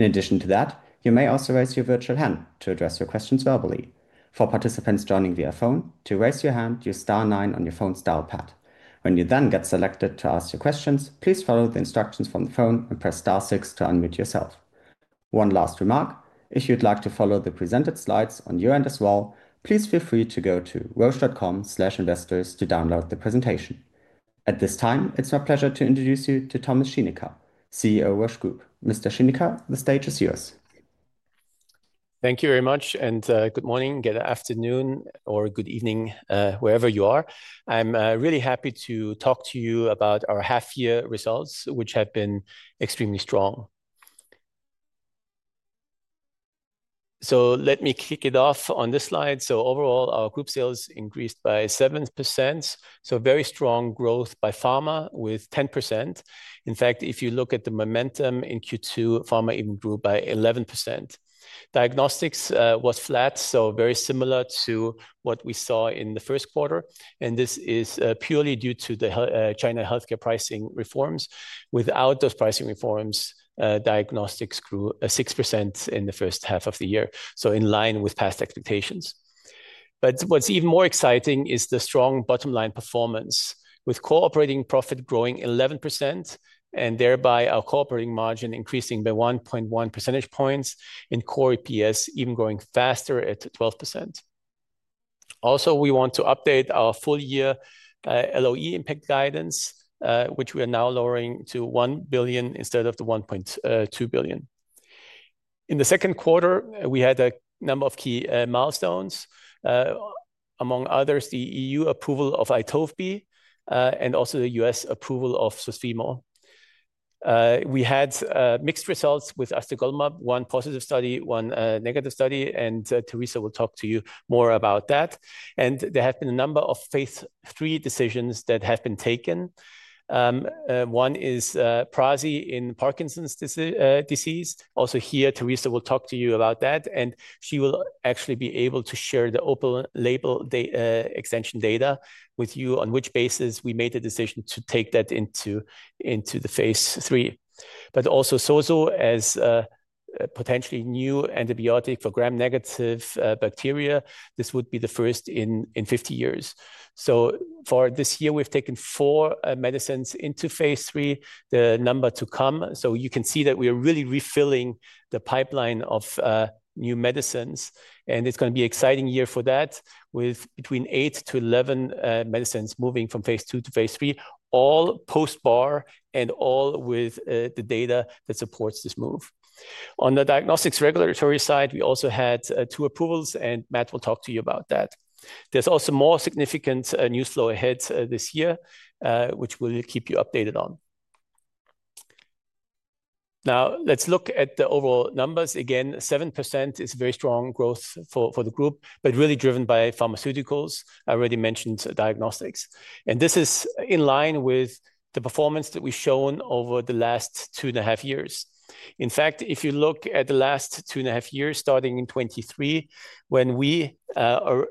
In addition to that, you may also raise your virtual hand to address your questions verbally. For participants joining via phone, to raise your hand, use Star 9 on your phone's dial pad. When you then get selected to ask your questions, please follow the instructions from the phone and press Star 6 to unmute yourself. One last remark: if you'd like to follow the presented slides on your end as well, please feel free to go to roche.com/investors to download the presentation. At this time, it's my pleasure to introduce you to Thomas Schinecker, CEO of Roche Group. Mr. Schinecker, the stage is yours. Thank you very much, and good morning, good afternoon, or good evening, wherever you are. I'm really happy to talk to you about our half-year results, which have been extremely strong. Let me kick it off on this slide. Overall, our group sales increased by 7%, very strong growth by pharma with 10%. In fact, if you look at the momentum in Q2, pharma even grew by 11%. Diagnostics was flat, very similar to what we saw in the first quarter. This is purely due to the China healthcare pricing reforms. Without those pricing reforms, diagnostics grew 6% in the first half of the year, in line with past expectations. What's even more exciting is the strong bottom-line performance, with cooperating profit growing 11%, and thereby our cooperating margin increasing by 1.1 percentage points, and core EPS even growing faster at 12%. Also, we want to update our full-year LOE impact guidance, which we are now lowering to 1 billion instead of the 1.2 billion. In the second quarter, we had a number of key milestones, among others, the EU approval of Itovebi, and also the U.S. approval of Vabysmo. We had mixed results with AstraZeneca, one positive study, one negative study, and Teresa will talk to you more about that. There have been a number of phase three decisions that have been taken. One is prasi in Parkinson's disease. Also here, Teresa will talk to you about that, and she will actually be able to share the open label extension data with you on which basis we made the decision to take that into the phase three. Also, zosurabalpin, as a potentially new antibiotic for gram-negative bacteria, this would be the first in 50 years. For this year, we've taken four medicines into phase three, the number to come. You can see that we are really refilling the pipeline of new medicines, and it's going to be an exciting year for that, with between 8-11 medicines moving from phase two to phase three, all post-bar and all with the data that supports this move. On the diagnostics regulatory side, we also had two approvals, and Matt will talk to you about that. There's also more significant news flow ahead this year, which we'll keep you updated on. Now, let's look at the overall numbers. Again, 7% is very strong growth for the group, but really driven by pharmaceuticals, I already mentioned diagnostics. This is in line with the performance that we've shown over the last two and a half years. In fact, if you look at the last two and a half years, starting in 2023, when we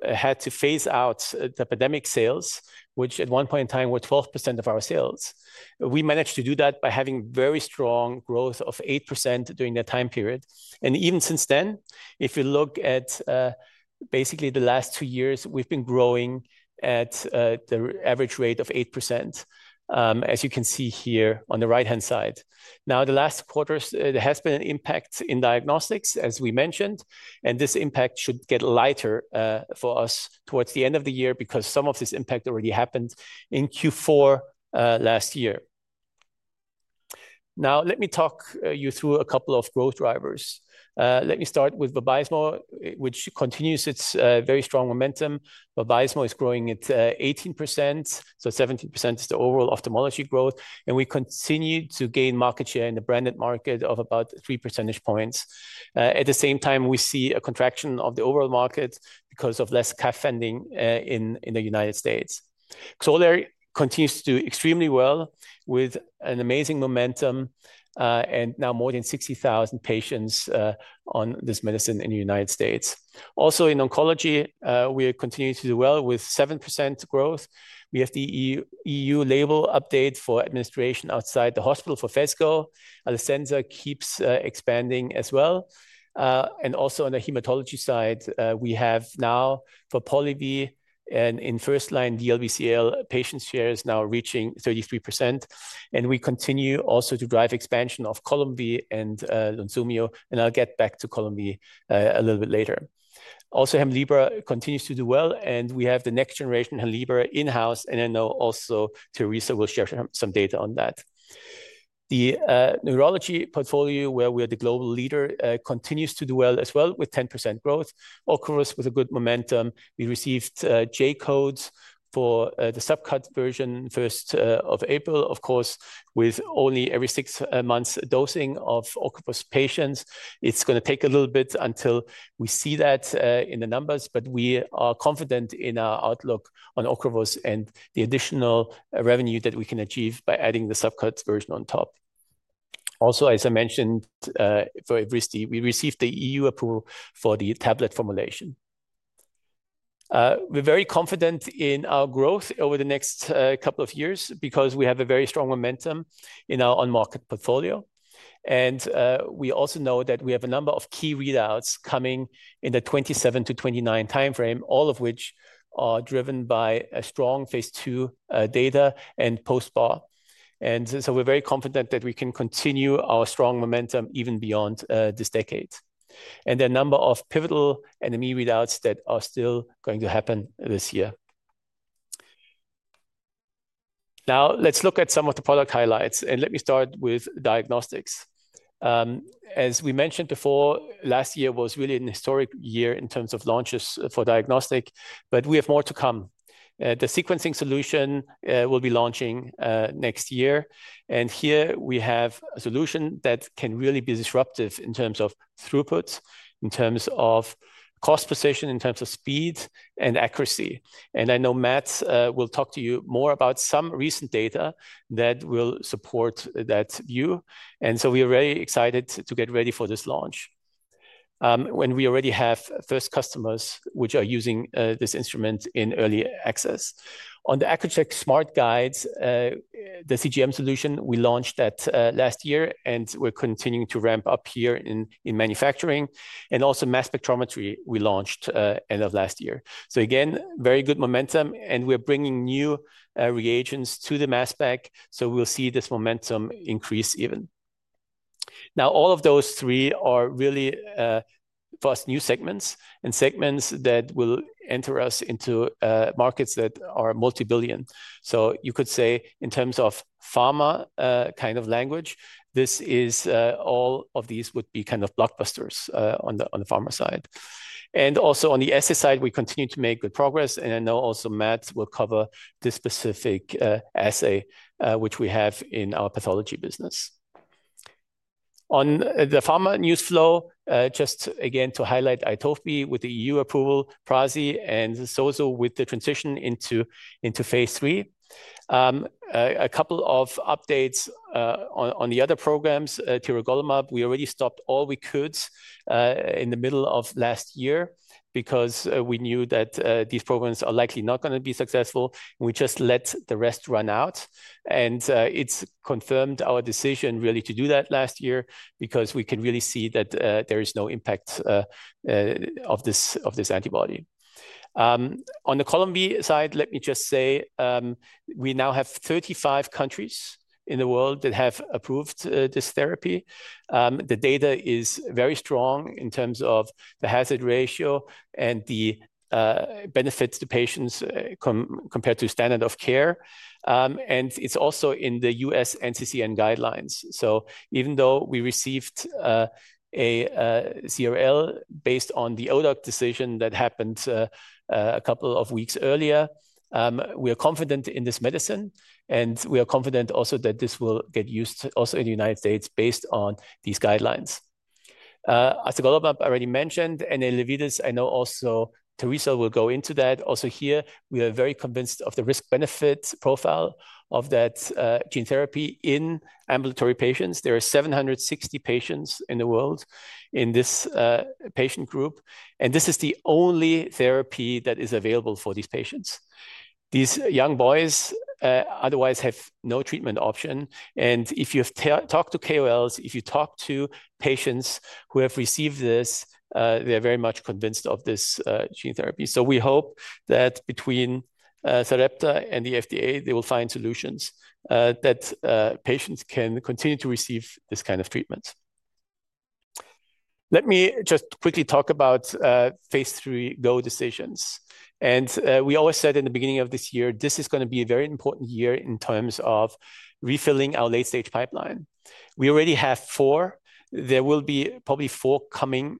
had to phase out the pandemic sales, which at one point in time were 12% of our sales, we managed to do that by having very strong growth of 8% during that time period. Even since then, if you look at basically the last two years, we've been growing at the average rate of 8%, as you can see here on the right-hand side. Now, the last quarter, there has been an impact in diagnostics, as we mentioned, and this impact should get lighter for us towards the end of the year because some of this impact already happened in Q4 last year. Now, let me talk you through a couple of growth drivers. Let me start with Vabysmo, which continues its very strong momentum. Vabysmo is growing at 18%, so 17% is the overall ophthalmology growth, and we continue to gain market share in the branded market of about 3 percentage points. At the same time, we see a contraction of the overall market because of less CAF funding in the United States. Xolair continues to do extremely well with an amazing momentum and now more than 60,000 patients on this medicine in the United States. Also, in oncology, we continue to do well with 7% growth. We have the EU label update for administration outside the hospital for Phesgo. Alecensa keeps expanding as well. Also on the hematology side, we have now for Polivy and in first-line DLBCL, patient share is now reaching 33%. We continue also to drive expansion of Columvi and Lunsumio, and I'll get back to Columvi a little bit later. Also, Hemlibra continues to do well, and we have the next generation Hemlibra in-house, and I know also Teresa will share some data on that. The neurology portfolio, where we are the global leader, continues to do well as well with 10% growth. Ocrevus with a good momentum. We received J codes for the subcut version 1st of April, of course, with only every six months dosing of Ocrevus patients. It's going to take a little bit until we see that in the numbers, but we are confident in our outlook on Ocrevus and the additional revenue that we can achieve by adding the subcut version on top. Also, as I mentioned for Evrysdi, we received the EU approval for the tablet formulation. We're very confident in our growth over the next couple of years because we have a very strong momentum in our on-market portfolio. We also know that we have a number of key readouts coming in the 2027 to 2029 timeframe, all of which are driven by strong phase two data and post-bar. We are very confident that we can continue our strong momentum even beyond this decade. There are a number of pivotal and immediate readouts that are still going to happen this year. Now, let's look at some of the product highlights, and let me start with Diagnostics. As we mentioned before, last year was really a historic year in terms of launches for Diagnostics, but we have more to come. The sequencing solution will be launching next year. Here we have a solution that can really be disruptive in terms of throughput, in terms of cost position, in terms of speed and accuracy. I know Matt will talk to you more about some recent data that will support that view. We are very excited to get ready for this launch when we already have first customers which are using this instrument in early access. On the Accu-Chek SmartGuides, the CGM solution, we launched that last year, and we're continuing to ramp up here in manufacturing. Also, mass spectrometry, we launched end of last year. Again, very good momentum, and we're bringing new reagents to the mass spec, so we'll see this momentum increase even. Now, all of those three are really first new segments and segments that will enter us into markets that are multi-billion. You could say in terms of pharma kind of language, this is all of these would be kind of blockbusters on the pharma side. Also on the assay side, we continue to make good progress, and I know Matt will cover this specific assay which we have in our pathology business. On the pharma news flow, just again to highlight Itoveb with the EU approval, prasi, and zosu with the transition into phase three. A couple of updates on the other programs, tiragolumab, we already stopped all we could in the middle of last year because we knew that these programs are likely not going to be successful. We just let the rest run out, and it is confirmed our decision really to do that last year because we can really see that there is no impact of this antibody. On the Columvi side, let me just say we now have 35 countries in the world that have approved this therapy. The data is very strong in terms of the hazard ratio and the benefits to patients compared to standard of care. It is also in the U.S. NCCN guidelines. Even though we received a CRL based on the ODAC decision that happened a couple of weeks earlier, we are confident in this medicine, and we are confident also that this will get used also in the United States based on these guidelines. As I already mentioned, and I know also Teresa will go into that. Also here, we are very convinced of the risk-benefit profile of that gene therapy in ambulatory patients. There are 760 patients in the world in this patient group, and this is the only therapy that is available for these patients. These young boys otherwise have no treatment option. If you have talked to KOLs, if you talk to patients who have received this, they're very much convinced of this gene therapy. We hope that between Sarepta and the FDA, they will find solutions that patients can continue to receive this kind of treatment. Let me just quickly talk about phase three go decisions. We always said in the beginning of this year, this is going to be a very important year in terms of refilling our late-stage pipeline. We already have four. There will be probably four coming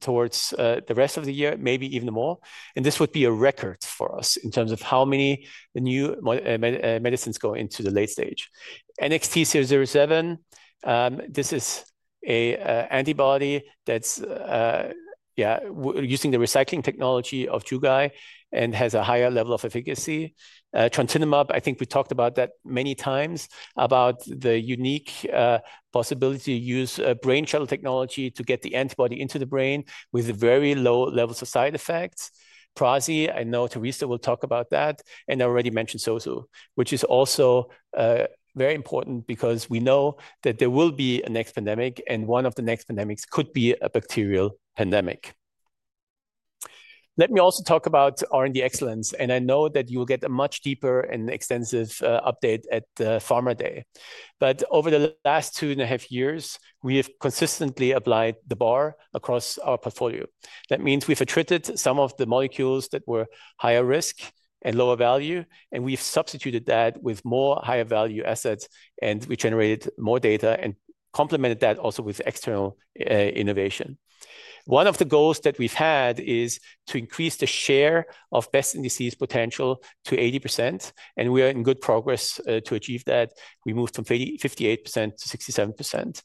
towards the rest of the year, maybe even more. This would be a record for us in terms of how many new medicines go into the late stage. NXT007, this is an antibody that's, yeah, using the recycling technology of Chugai and has a higher level of efficacy. Trontinemab, I think we talked about that many times, about the unique possibility to use brain shuttle technology to get the antibody into the brain with very low levels of side effects. Prasi, I know Teresa will talk about that, and I already mentioned Zosu, which is also very important because we know that there will be a next pandemic, and one of the next pandemics could be a bacterial pandemic. Let me also talk about R&D excellence, and I know that you will get a much deeper and extensive update at the Pharma Day. Over the last two and a half years, we have consistently applied the bar across our portfolio. That means we've attributed some of the molecules that were higher risk and lower value, and we've substituted that with more higher value assets, and we generated more data and complemented that also with external innovation. One of the goals that we've had is to increase the share of best disease potential to 80%, and we are in good progress to achieve that. We moved from 58%-67%.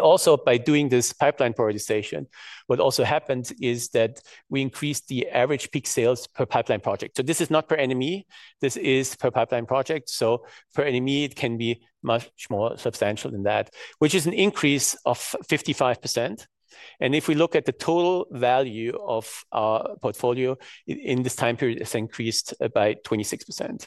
Also, by doing this pipeline prioritization, what also happened is that we increased the average peak sales per pipeline project. This is not per NME. This is per pipeline project. Per NME, it can be much more substantial than that, which is an increase of 55%. If we look at the total value of our portfolio in this time period, it has increased by 26%.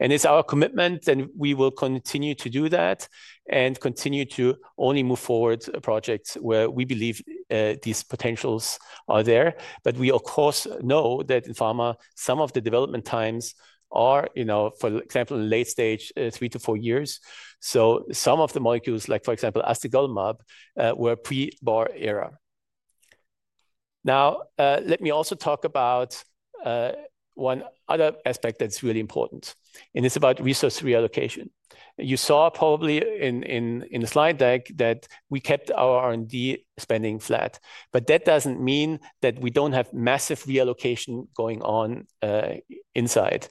It is our commitment, and we will continue to do that and continue to only move forward projects where we believe these potentials are there. We, of course, know that in pharma, some of the development times are, for example, in late stage, three to four years. Some of the molecules, like for example, astegolimab, were pre-bar era. Now, let me also talk about one other aspect that's really important, and it's about resource reallocation. You saw probably in the slide deck that we kept our R&D spending flat, but that doesn't mean that we don't have massive reallocation going on inside.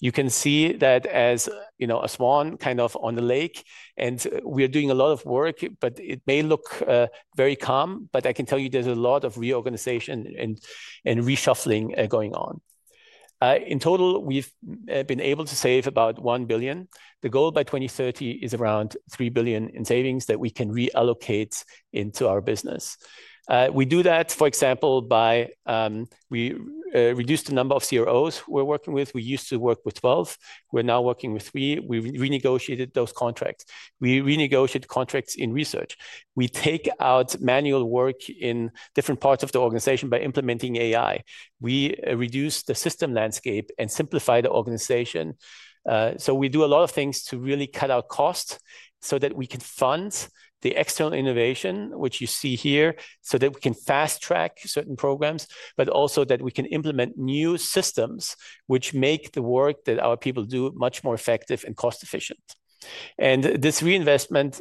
You can see that as a swan kind of on the lake, and we're doing a lot of work, but it may look very calm, but I can tell you there's a lot of reorganization and reshuffling going on. In total, we've been able to save about 1 billion. The goal by 2030 is around 3 billion in savings that we can reallocate into our business. We do that, for example, by we reduce the number of CROs we're working with. We used to work with 12. We're now working with three. We renegotiated those contracts. We renegotiated contracts in research. We take out manual work in different parts of the organization by implementing AI. We reduce the system landscape and simplify the organization. We do a lot of things to really cut out costs so that we can fund the external innovation, which you see here, so that we can fast track certain programs, but also that we can implement new systems which make the work that our people do much more effective and cost efficient. This reinvestment,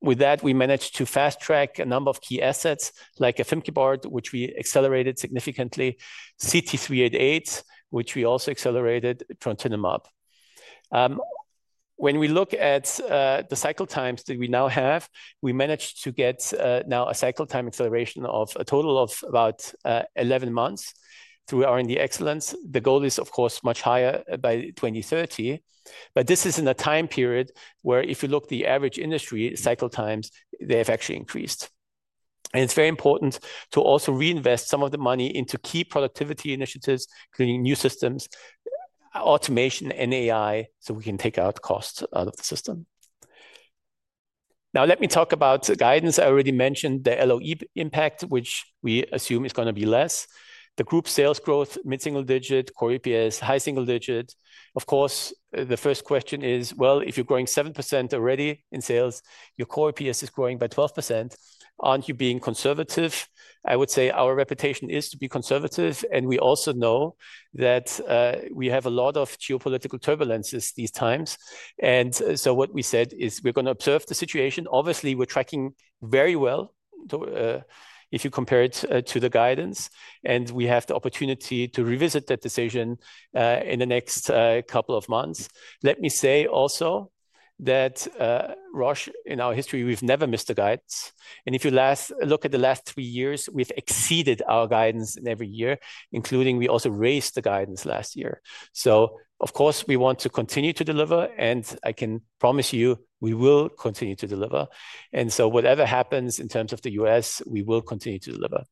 with that, we managed to fast track a number of key assets like afimkibart, which we accelerated significantly, CT-388, which we also accelerated, trontinemab. When we look at the cycle times that we now have, we managed to get now a cycle time acceleration of a total of about 11 months through R&D excellence. The goal is, of course, much higher by 2030. This is in a time period where if you look at the average industry cycle times, they have actually increased. It is very important to also reinvest some of the money into key productivity initiatives, including new systems, automation, and AI, so we can take out costs out of the system. Now, let me talk about the guidance. I already mentioned the LOE impact, which we assume is going to be less. The group sales growth, mid-single digit, core EPS, high single digit. Of course, the first question is, if you are growing 7% already in sales, your core EPS is growing by 12%. Aren't you being conservative? I would say our reputation is to be conservative, and we also know that we have a lot of geopolitical turbulences these times. What we said is we're going to observe the situation. Obviously, we're tracking very well if you compare it to the guidance, and we have the opportunity to revisit that decision in the next couple of months. Let me say also that Roche, in our history, we've never missed the guidance. If you look at the last three years, we've exceeded our guidance in every year, including we also raised the guidance last year. Of course, we want to continue to deliver, and I can promise you we will continue to deliver. Whatever happens in terms of the U.S., we will continue to deliver.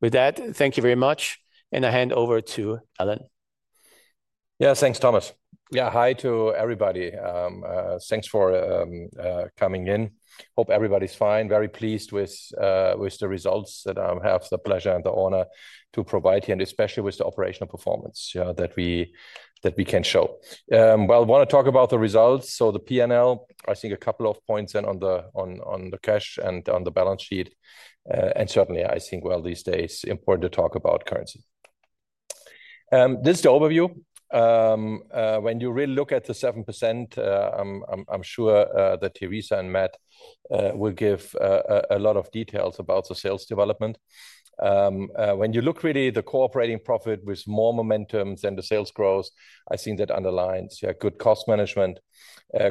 With that, thank you very much, and I hand over to Alan. Yeah, thanks, Thomas. Yeah, hi to everybody. Thanks for coming in. Hope everybody's fine. Very pleased with the results that I have the pleasure and the honor to provide here, and especially with the operational performance that we can show. I want to talk about the results. The P&L, I think a couple of points then on the cash and on the balance sheet. Certainly, I think these days, important to talk about currency. This is the overview. When you really look at the 7%, I'm sure that Teresa and Matt will give a lot of details about the sales development. When you look really at the operating profit with more momentum than the sales growth, I think that underlines good cost management.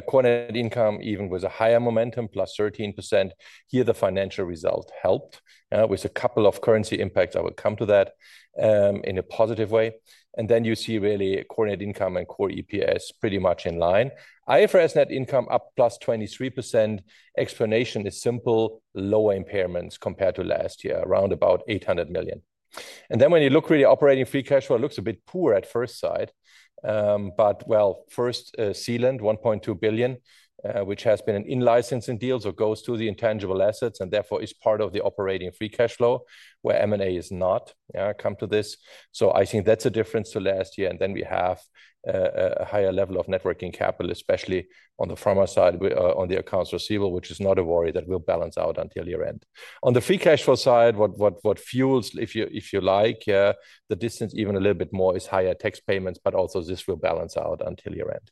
Coordinated income, even with a higher momentum, +13%. Here, the financial result helped with a couple of currency impacts. I will come to that in a positive way. You see really coordinated income and core EPS pretty much in line. IFRS net income up +23%. Explanation is simple, lower impairments compared to last year, around about 800 million. When you look really at operating free cash flow, it looks a bit poor at first sight. First, Zealand Pharma, 1.2 billion, which has been an in-licensing deal, so it goes to the intangible assets and therefore is part of the operating free cash flow, where M&A is not. I come to this. I think that's a difference to last year. We have a higher level of networking capital, especially on the pharma side, on the accounts receivable, which is not a worry that will balance out until year-end. On the free cash flow side, what fuels, if you like, the distance even a little bit more is higher tax payments, but also this will balance out until year-end.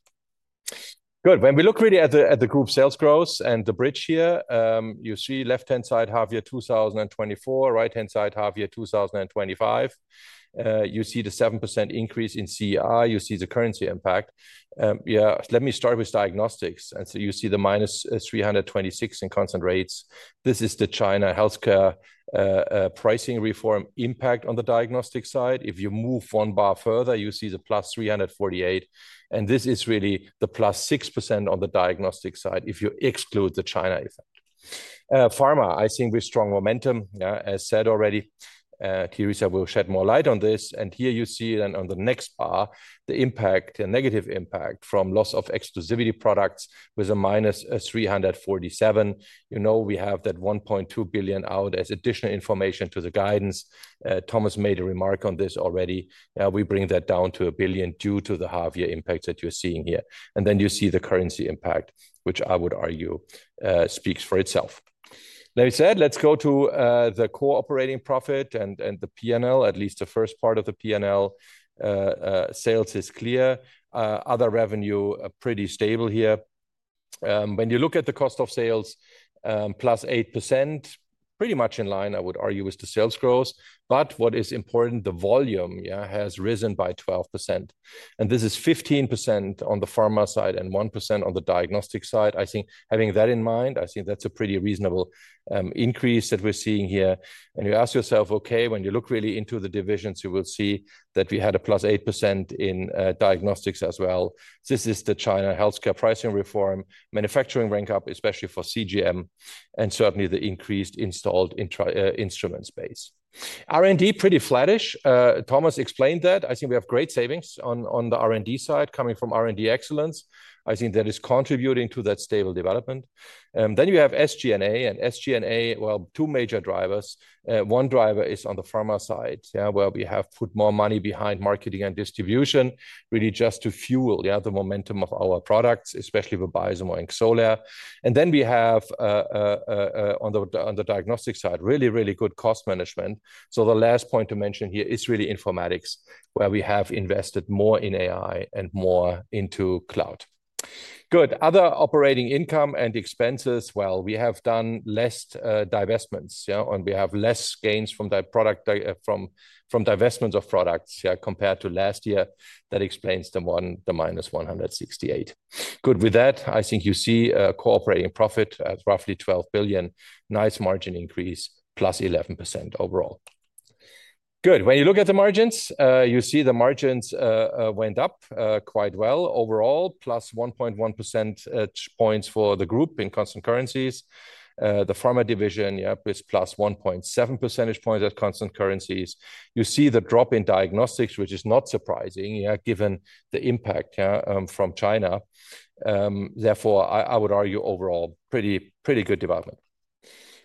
Good. When we look really at the group sales growth and the bridge here, you see left-hand side half year 2024, right-hand side half year 2025. You see the 7% increase in CER. You see the currency impact. Yeah, let me start with Diagnostics. And so you see the -326 in constant rates. This is the China healthcare pricing reform impact on the Diagnostics side. If you move one bar further, you see the +348. And this is really the +6% on the Diagnostics side if you exclude the China effect. Pharma, I think with strong momentum, as said already. Teresa will shed more light on this. Here you see then on the next bar, the impact, the negative impact from loss of exclusivity products with a -347 million. You know we have that 1.2 billion out as additional information to the guidance. Thomas made a remark on this already. We bring that down to 1 billion due to the half year impact that you're seeing here. You see the currency impact, which I would argue speaks for itself. Like I said, let's go to the core operating profit and the P&L, at least the first part of the P&L. Sales is clear. Other revenue pretty stable here. When you look at the cost of sales, +8%, pretty much in line, I would argue, with the sales growth. What is important, the volume has risen by 12%. This is 15% on the pharma side and 1% on the diagnostic side. I think having that in mind, I think that's a pretty reasonable increase that we're seeing here. You ask yourself, okay, when you look really into the divisions, you will see that we had a +8% in diagnostics as well. This is the China healthcare pricing reform, manufacturing ramp-up, especially for CGM, and certainly the increased installed instrument space. R&D pretty flattish. Thomas explained that. I think we have great savings on the R&D side coming from R&D excellence. I think that is contributing to that stable development. You have SG&A. SG&A, two major drivers. One driver is on the pharma side, where we have put more money behind marketing and distribution, really just to fuel the momentum of our products, especially with biosimilar and Xolair. You have on the diagnostic side, really, really good cost management. The last point to mention here is really informatics, where we have invested more in AI and more into cloud. Good. Other operating income and expenses, we have done less divestments, and we have less gains from divestments of products compared to last year. That explains the -168. Good. With that, I think you see cooperating profit at roughly 12 billion, nice margin increase, +11% overall. Good. When you look at the margins, you see the margins went up quite well overall +1.1 percentage points for the group in constant currencies. The pharma division is +1.7 percentage points at constant currencies. You see the drop in diagnostics, which is not surprising, given the impact from China. Therefore, I would argue overall, pretty good development.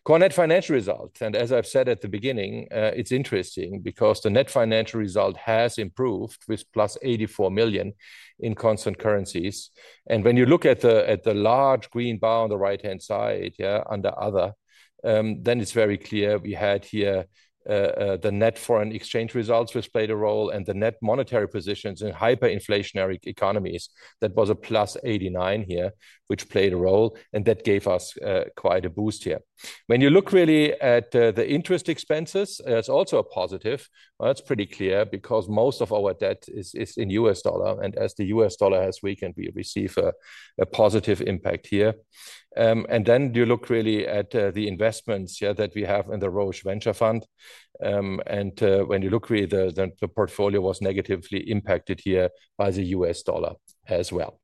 Core net financial result. As I have said at the beginning, it is interesting because the net financial result has improved with +84 million in constant currencies. When you look at the large green bar on the right-hand side under other, it is very clear we had here the net foreign exchange results which played a role and the net monetary positions in hyperinflationary economies. That was a +89 million here, which played a role, and that gave us quite a boost here. When you look really at the interest expenses, that is also a positive. That is pretty clear because most of our debt is in U.S. dollar. As the U.S. dollar has weakened, we receive a positive impact here. When you look really at the investments that we have in the Roche Venture Fund, the portfolio was negatively impacted here by the U.S. dollar as well.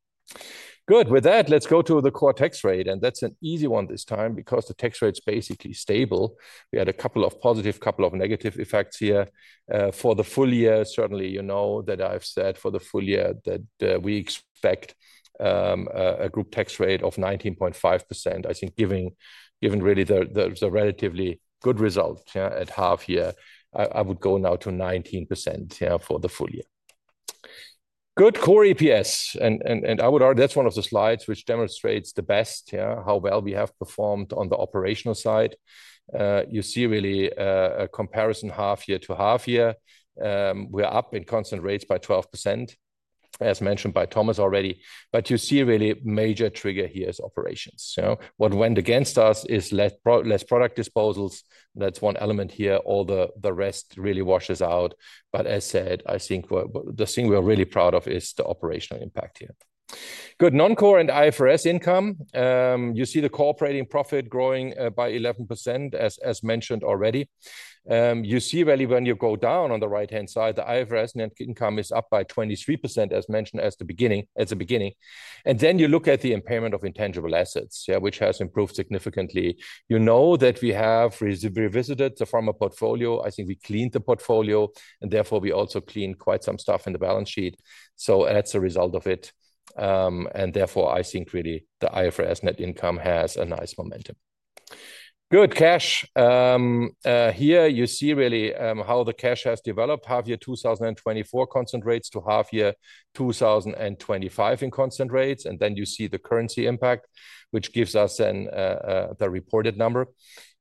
Good. With that, let's go to the core tax rate. That's an easy one this time because the tax rate's basically stable. We had a couple of positive, couple of negative effects here. For the full year, certainly you know that I've said for the full year that we expect a group tax rate of 19.5%. I think given really the relatively good result at half year, I would go now to 19% for the full year. Good core EPS. I would argue that's one of the slides which demonstrates the best how well we have performed on the operational side. You see really a comparison half year to half year. We're up in constant rates by 12%, as mentioned by Thomas already. You see really major trigger here is operations. What went against us is less product disposals. That's one element here. All the rest really washes out. As said, I think the thing we're really proud of is the operational impact here. Good. Non-core and IFRS income. You see the cooperating profit growing by 11%, as mentioned already. You see really when you go down on the right-hand side, the IFRS net income is up by 23%, as mentioned at the beginning. You look at the impairment of intangible assets, which has improved significantly. You know that we have revisited the pharma portfolio. I think we cleaned the portfolio, and therefore we also cleaned quite some stuff in the balance sheet. That is a result of it. Therefore, I think really the IFRS net income has a nice momentum. Good. Cash. Here you see really how the cash has developed. Half year 2024 constant rates to half year 2025 in constant rates. You see the currency impact, which gives us then the reported number.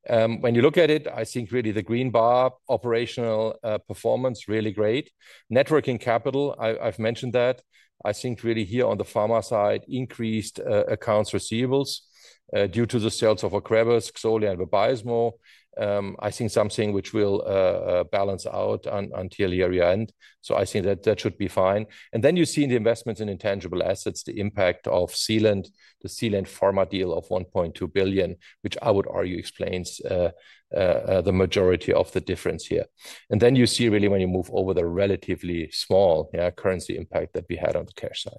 When you look at it, I think really the green bar operational performance, really great. Networking capital, I've mentioned that. I think really here on the pharma side, increased accounts receivables due to the sales of Acrabaz, Xolair, and Vabysmo. I think something which will balance out until year-end. I think that that should be fine. You see the investments in intangible assets, the impact of Zealand, the Zealand Pharma deal of 1.2 billion, which I would argue explains the majority of the difference here. You see really when you move over the relatively small currency impact that we had on the cash side.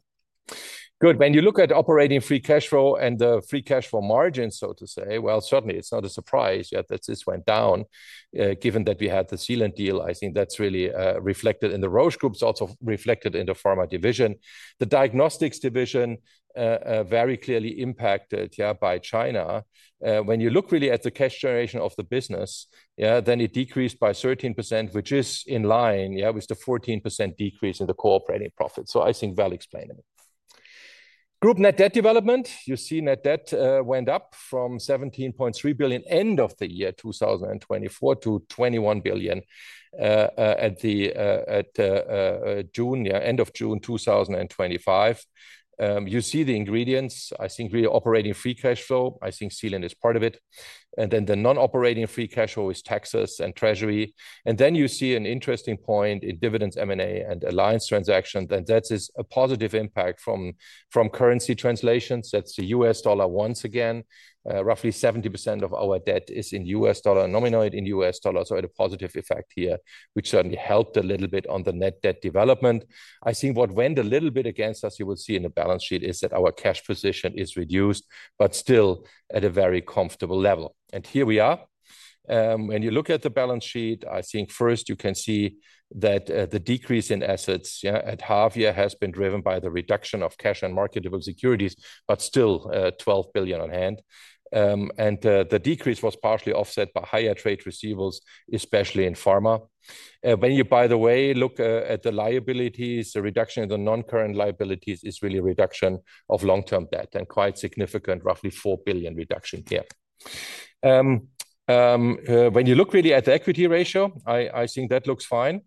Good. When you look at operating free cash flow and the free cash flow margins, so to say, certainly it's not a surprise that this went down. Given that we had the Zealand deal, I think that's really reflected in the Roche group, also reflected in the pharma division. The diagnostics division very clearly impacted by China. When you look really at the cash generation of the business, then it decreased by 13%, which is in line with the 14% decrease in the cooperating profits. I think well explained. Group net debt development. You see net debt went up from 17.3 billion end of the year 2024 to 21 billion at the end of June 2025. You see the ingredients. I think really operating free cash flow. I think Zealand is part of it. Then the non-operating free cash flow is taxes and treasury. You see an interesting point in dividends, M&A, and alliance transactions. That is a positive impact from currency translations. That's the U.S. dollar once again. Roughly 70% of our debt is in U.S. dollar, nominated in U.S. dollar. So at a positive effect here, which certainly helped a little bit on the net debt development. I think what went a little bit against us, you will see in the balance sheet, is that our cash position is reduced, but still at a very comfortable level. Here we are. When you look at the balance sheet, I think first you can see that the decrease in assets at half year has been driven by the reduction of cash and marketable securities, but still 12 billion on hand. The decrease was partially offset by higher trade receivables, especially in pharma. When you, by the way, look at the liabilities, the reduction in the non-current liabilities is really a reduction of long-term debt and quite significant, roughly 4 billion reduction here. When you look really at the equity ratio, I think that looks fine.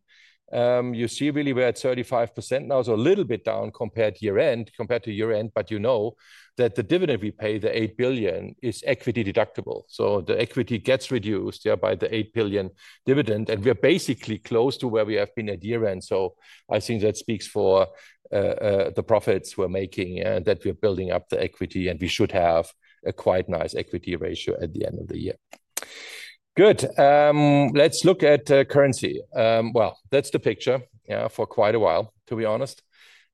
You see really we're at 35% now, so a little bit down compared to year-end. You know that the dividend we pay, the 8 billion, is equity deductible. The equity gets reduced by the 8 billion dividend. We're basically close to where we have been at year-end. I think that speaks for the profits we're making and that we're building up the equity. We should have a quite nice equity ratio at the end of the year. Good. Let's look at currency. That is the picture for quite a while, to be honest.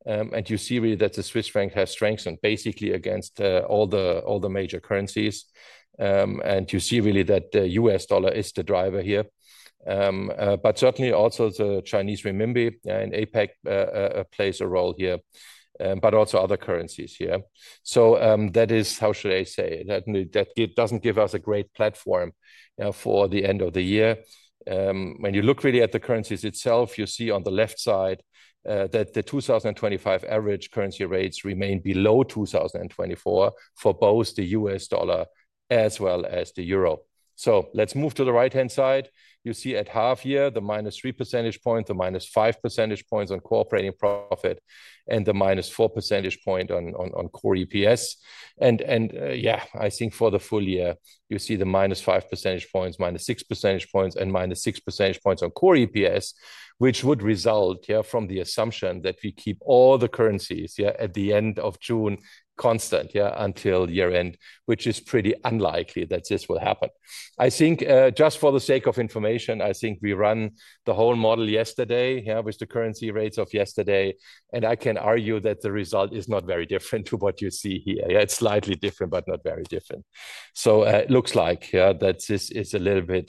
You see really that the Swiss franc has strengthened basically against all the major currencies. You see really that the U.S. dollar is the driver here. Certainly also the Chinese renminbi and APEC plays a role here, but also other currencies here. That is, how should I say, that does not give us a great platform for the end of the year. When you look really at the currencies itself, you see on the left side that the 2025 average currency rates remain below 2024 for both the U.S. dollar as well as the euro. Let's move to the right-hand side. You see at half year, the -3 percentage point, the -5 percentage points on cooperating profit, and the -4 percentage point on core EPS. Yeah, I think for the full year, you see the -5 percentage points, -6 percentage points, and -6 percentage points on core EPS, which would result from the assumption that we keep all the currencies at the end of June constant until year-end, which is pretty unlikely that this will happen. I think just for the sake of information, I think we run the whole model yesterday with the currency rates of yesterday. I can argue that the result is not very different to what you see here. It's slightly different, but not very different. It looks like that this is a little bit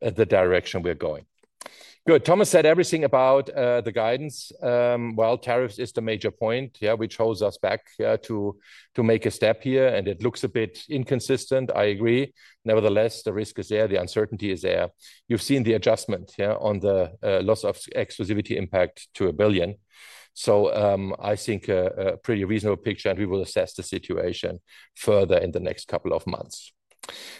the direction we're going. Good. Thomas said everything about the guidance. Tariffs is the major point, which holds us back to make a step here. It looks a bit inconsistent, I agree. Nevertheless, the risk is there. The uncertainty is there. You've seen the adjustment on the loss of exclusivity impact to 1 billion. I think a pretty reasonable picture, and we will assess the situation further in the next couple of months.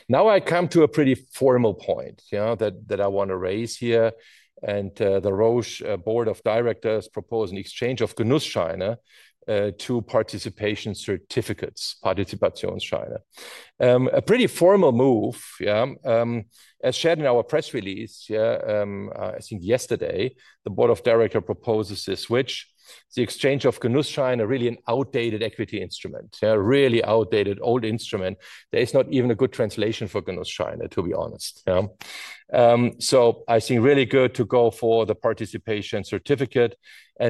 Now I come to a pretty formal point that I want to raise here. The Roche Board of Directors proposed an exchange of Genussscheine to participation certificates, Partizipationsscheine. A pretty formal move. As shared in our press release, I think yesterday, the Board of Directors proposes this switch. The exchange of Genussscheine, really an outdated equity instrument, really outdated old instrument. There is not even a good translation for Genussscheine, to be honest. I think really good to go for the participation certificate.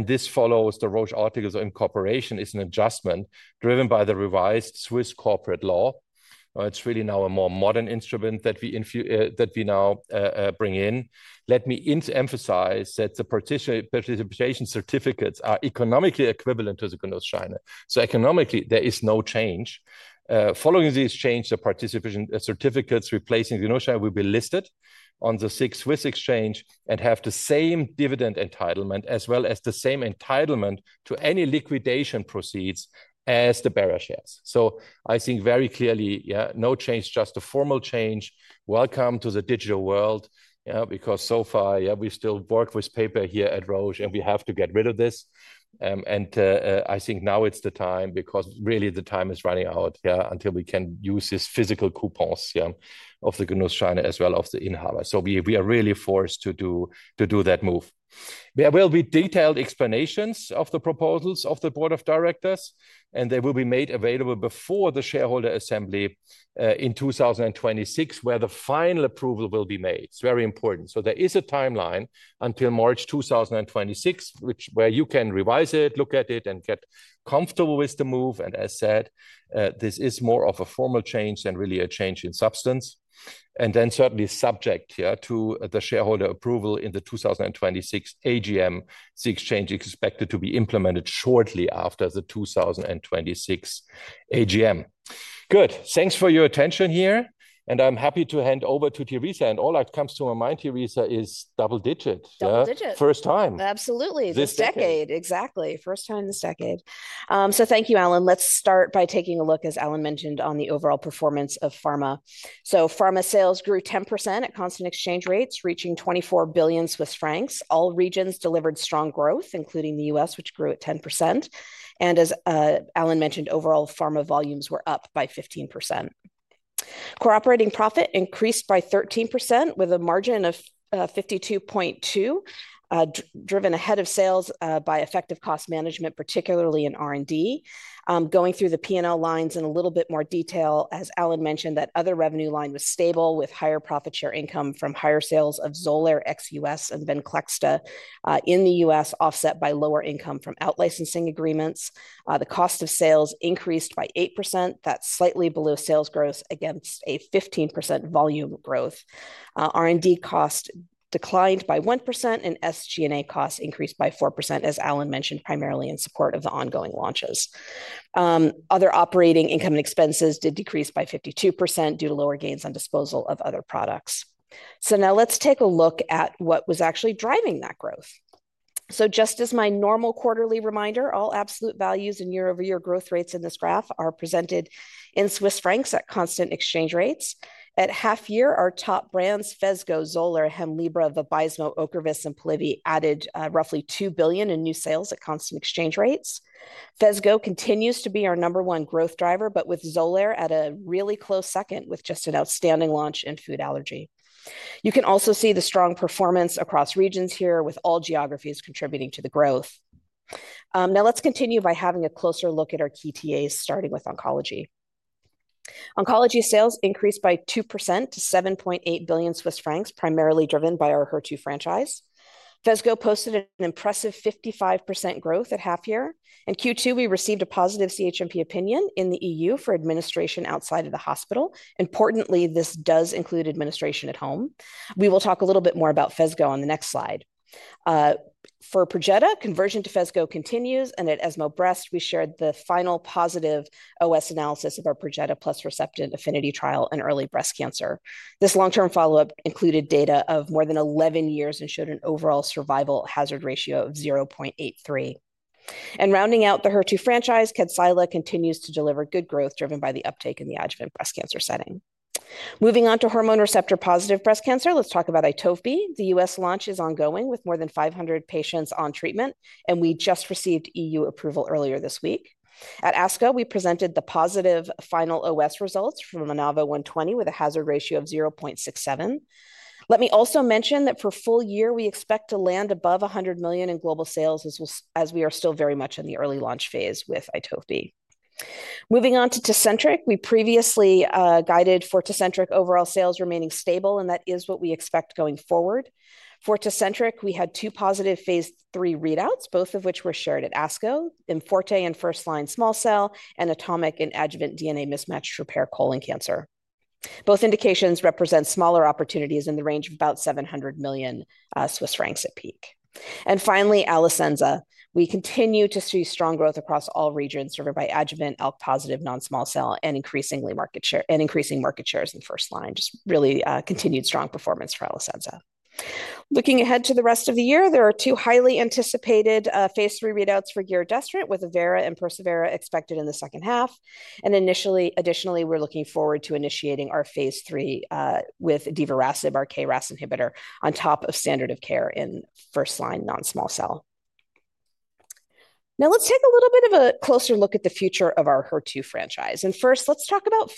This follows the Roche articles of incorporation and is an adjustment driven by the revised Swiss corporate law. It's really now a more modern instrument that we now bring in. Let me emphasize that the participation certificates are economically equivalent to the Genussscheine. So economically, there is no change. Following these changes, the participation certificates replacing the Genussscheine will be listed on the SIX Swiss Exchange and have the same dividend entitlement as well as the same entitlement to any liquidation proceeds as the bearer shares. I think very clearly, no change, just a formal change. Welcome to the digital world, because so far, we still work with paper here at Roche, and we have to get rid of this. I think now it's the time, because really the time is running out until we can use these physical coupons of the Genussscheine as well as the inhabit. We are really forced to do that move. There will be detailed explanations of the proposals of the Board of Directors, and they will be made available before the shareholder assembly in 2026, where the final approval will be made. It is very important. There is a timeline until March 2026, where you can revise it, look at it, and get comfortable with the move. As said, this is more of a formal change than really a change in substance. Certainly subject to the shareholder approval in the 2026 AGM, the exchange is expected to be implemented shortly after the 2026 AGM. Good. Thanks for your attention here. I am happy to hand over to Teresa. All that comes to my mind, Teresa, is double digit. Double digit. First time. Absolutely. This decade. Exactly. First time this decade. Thank you, Alan. Let's start by taking a look, as Alan mentioned, on the overall performance of pharma. Pharma sales grew 10% at constant exchange rates, reaching 24 billion Swiss francs. All regions delivered strong growth, including the U.S., which grew at 10%. As Alan mentioned, overall pharma volumes were up by 15%. Operating profit increased by 13% with a margin of 52.2%, driven ahead of sales by effective cost management, particularly in R&D. Going through the P&L lines in a little bit more detail, as Alan mentioned, that other revenue line was stable with higher profit share income from higher sales of Xolair, XUS, and Venclexta in the U.S., offset by lower income from outlicensing agreements. The cost of sales increased by 8%. That's slightly below sales growth against a 15% volume growth. R&D cost declined by 1%, and SG&A costs increased by 4%, as Alan mentioned, primarily in support of the ongoing launches. Other operating income and expenses did decrease by 52% due to lower gains on disposal of other products. Now let's take a look at what was actually driving that growth. Just as my normal quarterly reminder, all absolute values and year-over-year growth rates in this graph are presented in Swiss francs at constant exchange rates. At half year, our top brands, Phesgo, Xolair, Hemlibra, Vabysmo, Ocrevus, and Polivy, added roughly 2 billion in new sales at constant exchange rates. Phesgo continues to be our number one growth driver, with Xolair at a really close second with just an outstanding launch in food allergy. You can also see the strong performance across regions here, with all geographies contributing to the growth. Now let's continue by having a closer look at our key TAs, starting with oncology. Oncology sales increased by 2% to 7.8 billion Swiss francs, primarily driven by our HER2 franchise. Phesgo posted an impressive 55% growth at half year. In Q2, we received a positive CHMP opinion in the EU for administration outside of the hospital. Importantly, this does include administration at home. We will talk a little bit more about Phesgo on the next slide. For Perjeta, conversion to Phesgo continues. At ESMO Breast, we shared the final positive OS analysis of our Perjeta+Herceptin affinity trial in early breast cancer. This long-term follow-up included data of more than 11 years and showed an overall survival hazard ratio of 0.83. Rounding out the HER2 franchise, Kadcyla continues to deliver good growth driven by the uptake in the adjuvant breast cancer setting. Moving on to hormone receptor positive breast cancer, let's talk about Itovebi. The U.S. launch is ongoing with more than 500 patients on treatment, and we just received EU approval earlier this week. At ASCO, we presented the positive final OS results from Anava 120 with a hazard ratio of 0.67. Let me also mention that for full year, we expect to land above $100 million in global sales as we are still very much in the early launch phase with Itovebi. Moving on to Tecentriq, we previously guided for Tecentriq overall sales remaining stable, and that is what we expect going forward. For Tecentriq, we had two positive phase 3 readouts, both of which were shared at ASCO, Inforte in first line small cell, and ATOMIC in adjuvant DNA mismatched repair colon cancer. Both indications represent smaller opportunities in the range of about 700 million Swiss francs at peak. Finally, Alecensa. We continue to see strong growth across all regions driven by adjuvant ALK-positive non-small cell and increasing market shares in first line, just really continued strong performance for Alecensa. Looking ahead to the rest of the year, there are two highly anticipated phase three readouts for giredestrant with Avera and persevERA expected in the second half. Additionally, we're looking forward to initiating our phase three with divarasib our KRAS inhibitor, on top of standard of care in first line non-small cell. Now let's take a little bit of a closer look at the future of our HER2 franchise. First, let's talk about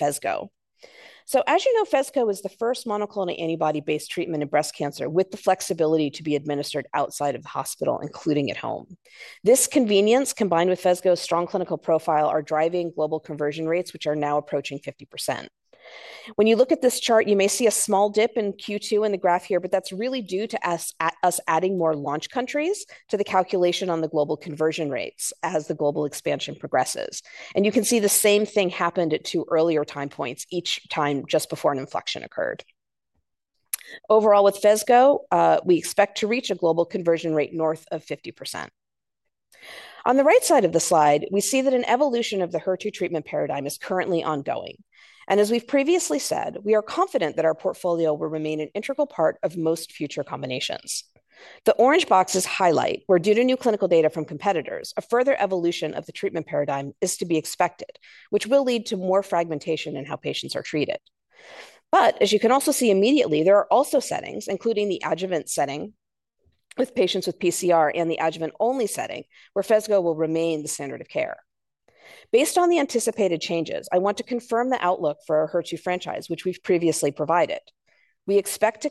Phesgo. As you know, Phesgo is the first monoclonal antibody-based treatment in breast cancer with the flexibility to be administered outside of the hospital, including at home. This convenience, combined with Phesgo's strong clinical profile, are driving global conversion rates, which are now approaching 50%. When you look at this chart, you may see a small dip in Q2 in the graph here, but that's really due to us adding more launch countries to the calculation on the global conversion rates as the global expansion progresses. You can see the same thing happened at two earlier time points, each time just before an inflection occurred. Overall, with Phesgo, we expect to reach a global conversion rate north of 50%. On the right side of the slide, we see that an evolution of the HER2 treatment paradigm is currently ongoing. As we've previously said, we are confident that our portfolio will remain an integral part of most future combinations. The orange boxes highlight where, due to new clinical data from competitors, a further evolution of the treatment paradigm is to be expected, which will lead to more fragmentation in how patients are treated. As you can also see immediately, there are also settings, including the adjuvant setting with patients with PCR and the adjuvant-only setting, where Phesgo will remain the standard of care. Based on the anticipated changes, I want to confirm the outlook for our HER2 franchise, which we've previously provided. We expect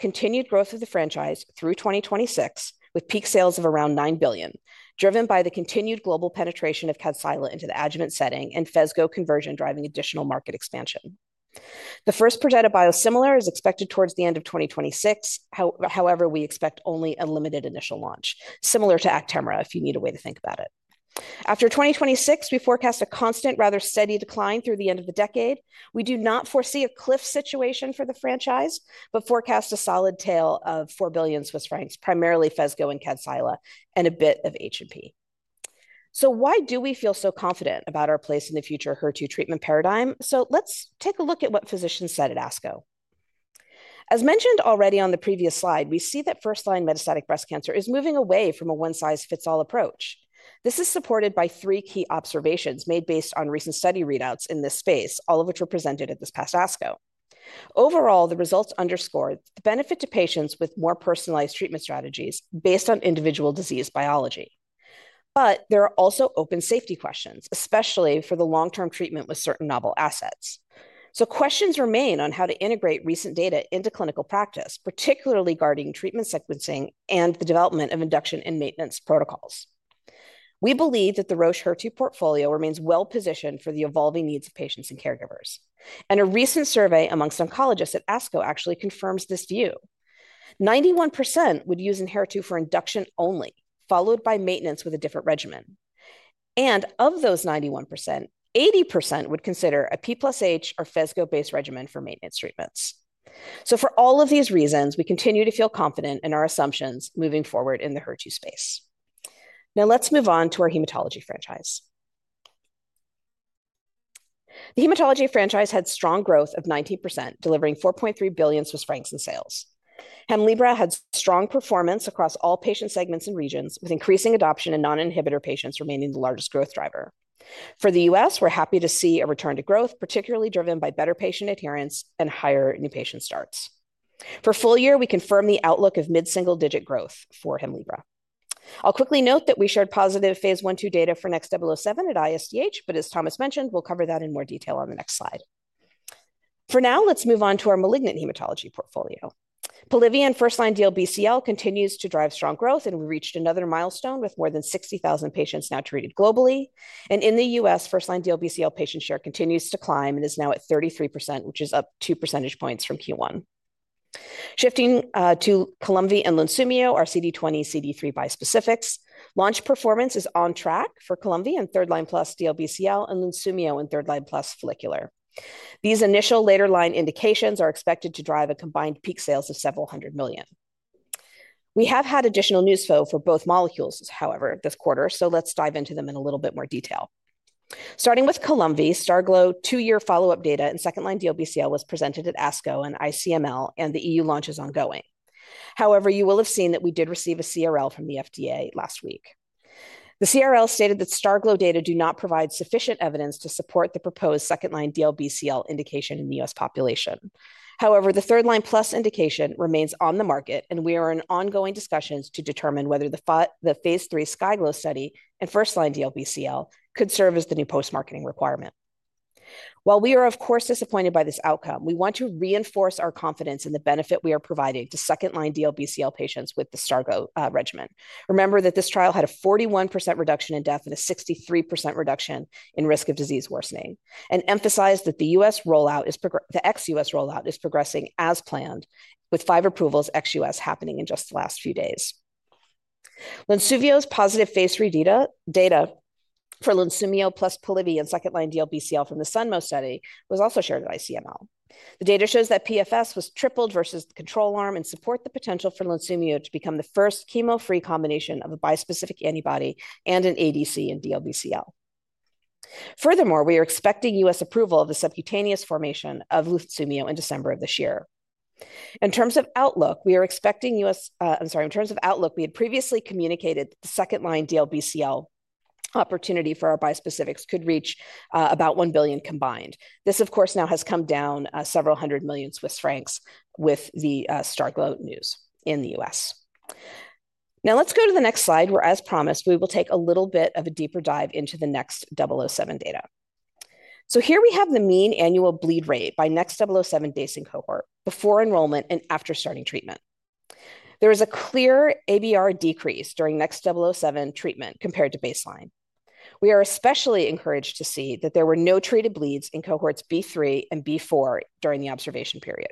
continued growth of the franchise through 2026, with peak sales of around 9 billion, driven by the continued global penetration of Kadcyla into the adjuvant setting and Phesgo conversion driving additional market expansion. The first Perjeta biosimilar is expected towards the end of 2026. However, we expect only a limited initial launch, similar to Actemra, if you need a way to think about it. After 2026, we forecast a constant, rather steady decline through the end of the decade. We do not foresee a cliff situation for the franchise, but forecast a solid tail of 4 billion Swiss francs, primarily Phesgo and Kadcyla, and a bit of H&P. Why do we feel so confident about our place in the future HER2 treatment paradigm? Let's take a look at what physicians said at ASCO. As mentioned already on the previous slide, we see that first line metastatic breast cancer is moving away from a one-size-fits-all approach. This is supported by three key observations made based on recent study readouts in this space, all of which were presented at this past ASCO. Overall, the results underscored the benefit to patients with more personalized treatment strategies based on individual disease biology. There are also open safety questions, especially for the long-term treatment with certain novel assets. Questions remain on how to integrate recent data into clinical practice, particularly regarding treatment sequencing and the development of induction and maintenance protocols. We believe that the Roche HER2 portfolio remains well-positioned for the evolving needs of patients and caregivers. A recent survey amongst oncologists at ASCO actually confirms this view. 91% would use Inheritu for induction only, followed by maintenance with a different regimen. Of those 91%, 80% would consider a P+H or Phesgo-based regimen for maintenance treatments. For all of these reasons, we continue to feel confident in our assumptions moving forward in the HER2 space. Now let's move on to our hematology franchise. The hematology franchise had strong growth of 19%, delivering 4.3 billion Swiss francs in sales. Hemlibra had strong performance across all patient segments and regions, with increasing adoption in non-inhibitor patients remaining the largest growth driver. For the U.S., we're happy to see a return to growth, particularly driven by better patient adherence and higher new patient starts. For full year, we confirm the outlook of mid-single digit growth for Hemlibra. I'll quickly note that we shared positive phase I/II data for NXT007 at ISDH, but as Thomas mentioned, we'll cover that in more detail on the next slide. For now, let's move on to our malignant hematology portfolio. Polivy in first line DLBCL continues to drive strong growth, and we reached another milestone with more than 60,000 patients now treated globally. In the U.S., first line DLBCL patient share continues to climb and is now at 33%, which is up two percentage points from Q1. Shifting to Columvi and Lunsumio, our CD20, CD3 bispecifics, launch performance is on track for Columvi in third line plus DLBCL and Lunsumio in third line plus Follicular. These initial later line indications are expected to drive a combined peak sales of several hundred million. We have had additional news for both molecules, however, this quarter, so let's dive into them in a little bit more detail. Starting with Columvi, STARGLO two-year follow-up data in second line DLBCL was presented at ASCO and ICML, and the EU launch is ongoing. However, you will have seen that we did receive a CRL from the FDA last week. The CRL stated that STARGLO data do not provide sufficient evidence to support the proposed second line DLBCL indication in the U.S. population. However, the third line plus indication remains on the market, and we are in ongoing discussions to determine whether the phase three STARGLO study in first line DLBCL could serve as the new post-marketing requirement. While we are, of course, disappointed by this outcome, we want to reinforce our confidence in the benefit we are providing to second line DLBCL patients with the STARGLO regimen. Remember that this trial had a 41% reduction in death and a 63% reduction in risk of disease worsening, and emphasize that the U.S. rollout is, the ex-U.S. rollout is progressing as planned, with five approvals ex-U.S. happening in just the last few days. Lunsumio's positive phase three data for Lunsumio plus Polivy in second line DLBCL from the SUNMO study was also shared at ICML. The data shows that PFS was tripled versus the control arm and support the potential for Lunsumio to become the first chemo-free combination of a bispecific antibody and an ADC in DLBCL. Furthermore, we are expecting U.S. approval of the subcutaneous formulation of Lunsumio in December of this year. In terms of outlook, we are expecting U.S., I'm sorry, in terms of outlook, we had previously communicated the second line DLBCL opportunity for our bispecifics could reach about $1 billion combined. This, of course, now has come down several hundred million CHF with the STARGLO news in the U.S. Now let's go to the next slide where, as promised, we will take a little bit of a deeper dive into the NXT007 data. So here we have the mean annual bleed rate by NXT007 baseline cohort before enrollment and after starting treatment. There is a clear ABR decrease during NXT007 treatment compared to baseline. We are especially encouraged to see that there were no treated bleeds in cohorts B3 and B4 during the observation period.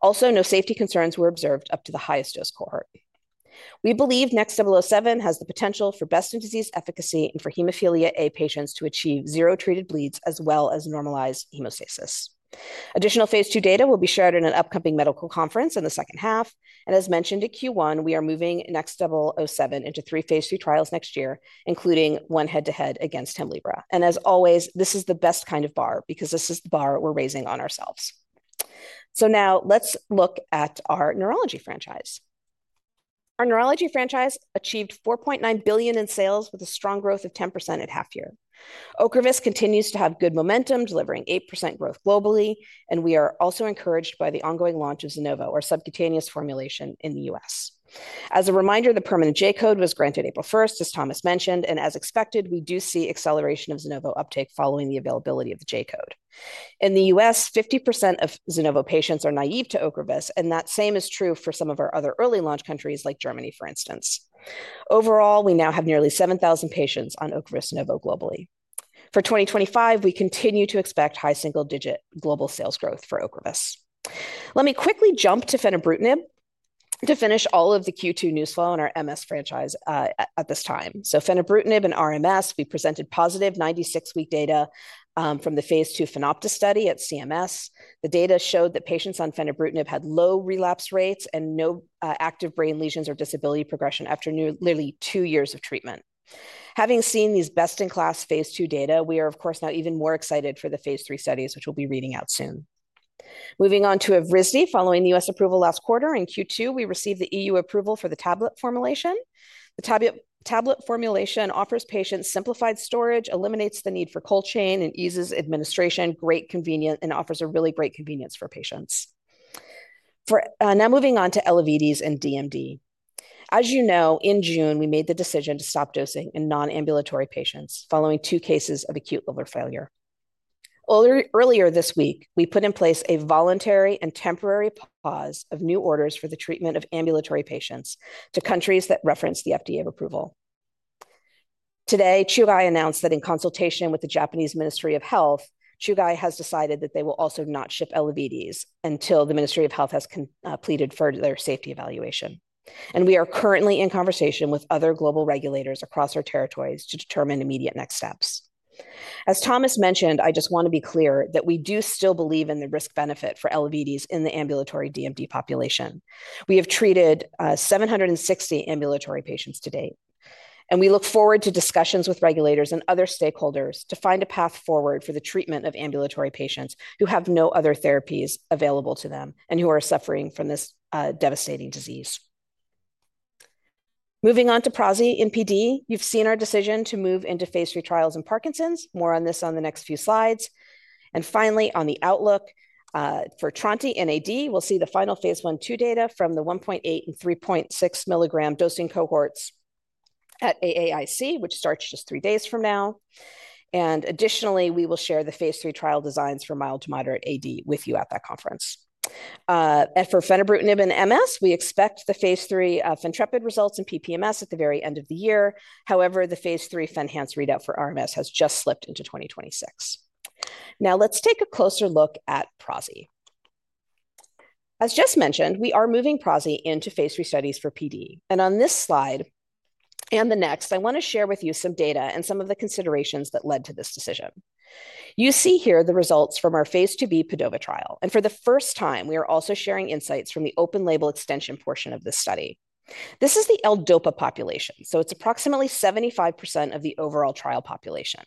Also, no safety concerns were observed up to the highest dose cohort. We believe NXT007 has the potential for best-in-disease efficacy and for hemophilia A patients to achieve zero treated bleeds as well as normalized hemostasis. Additional phase two data will be shared in an upcoming medical conference in the second half. As mentioned at Q1, we are moving NXT007 into three phase three trials next year, including one head-to-head against Hemlibra. This is the best kind of bar because this is the bar we're raising on ourselves. Now let's look at our neurology franchise. Our neurology franchise achieved 4.9 billion in sales with a strong growth of 10% at half year. Ocrevus continues to have good momentum, delivering 8% growth globally, and we are also encouraged by the ongoing launch of Ocrevus subcutaneous, our subcutaneous formulation in the U.S. As a reminder, the permanent J code was granted April 1, as Thomas mentioned, and as expected, we do see acceleration of Ocrevus subcutaneous uptake following the availability of the J code. In the U.S., 50% of Ocrevus subcutaneous patients are naive to Ocrevus, and that same is true for some of our other early launch countries like Germany, for instance. Overall, we now have nearly 7,000 patients on Ocrevus subcutaneous globally. For 2025, we continue to expect high single-digit global sales growth for Ocrevus. Let me quickly jump to fenebrutinib to finish all of the Q2 news flow on our MS franchise at this time. So fenebrutinib in RMS, we presented positive 96-week data from the phase two FENopta study at CMS. The data showed that patients on fenebrutinib had low relapse rates and no active brain lesions or disability progression after nearly two years of treatment. Having seen these best-in-class phase two data, we are, of course, now even more excited for the phase three studies, which we'll be reading out soon. Moving on to Evrysdi following the U.S. approval last quarter. In Q2, we received the EU approval for the tablet formulation. The tablet formulation offers patients simplified storage, eliminates the need for cold chain, and eases administration, great convenience, and offers a really great convenience for patients. Now moving on to Elevidys and DMD. As you know, in June, we made the decision to stop dosing in non-ambulatory patients following two cases of acute liver failure. Earlier this week, we put in place a voluntary and temporary pause of new orders for the treatment of ambulatory patients to countries that reference the FDA approval. Today, Chugai announced that in consultation with the Japanese Ministry of Health, Chugai has decided that they will also not ship Elevidys until the Ministry of Health has completed their safety evaluation. We are currently in conversation with other global regulators across our territories to determine immediate next steps. As Thomas mentioned, I just want to be clear that we do still believe in the risk-benefit for Elevidys in the ambulatory DMD population. We have treated 760 ambulatory patients to date. We look forward to discussions with regulators and other stakeholders to find a path forward for the treatment of ambulatory patients who have no other therapies available to them and who are suffering from this devastating disease. Moving on to prasi and PD, you've seen our decision to move into phase three trials in Parkinson's. More on this on the next few slides. Finally, on the outlook for tronti and AD, we'll see the final phase one two data from the 1.8 and 3.6 milligram dosing cohorts at AAIC, which starts just three days from now. Additionally, we will share the phase three trial designs for mild to moderate AD with you at that conference. For fenebrutinib and MS, we expect the phase three FENtrepid results in PPMS at the very end of the year. However, the phase three FENhance readout for RMS has just slipped into 2026. Now let's take a closer look at prasi. As just mentioned, we are moving prasi into phase three studies for PD. On this slide and the next, I want to share with you some data and some of the considerations that led to this decision. You see here the results from our phase 2b PADOVA trial. For the first time, we are also sharing insights from the open label extension portion of this study. This is the L-DOPA population, so it is approximately 75% of the overall trial population.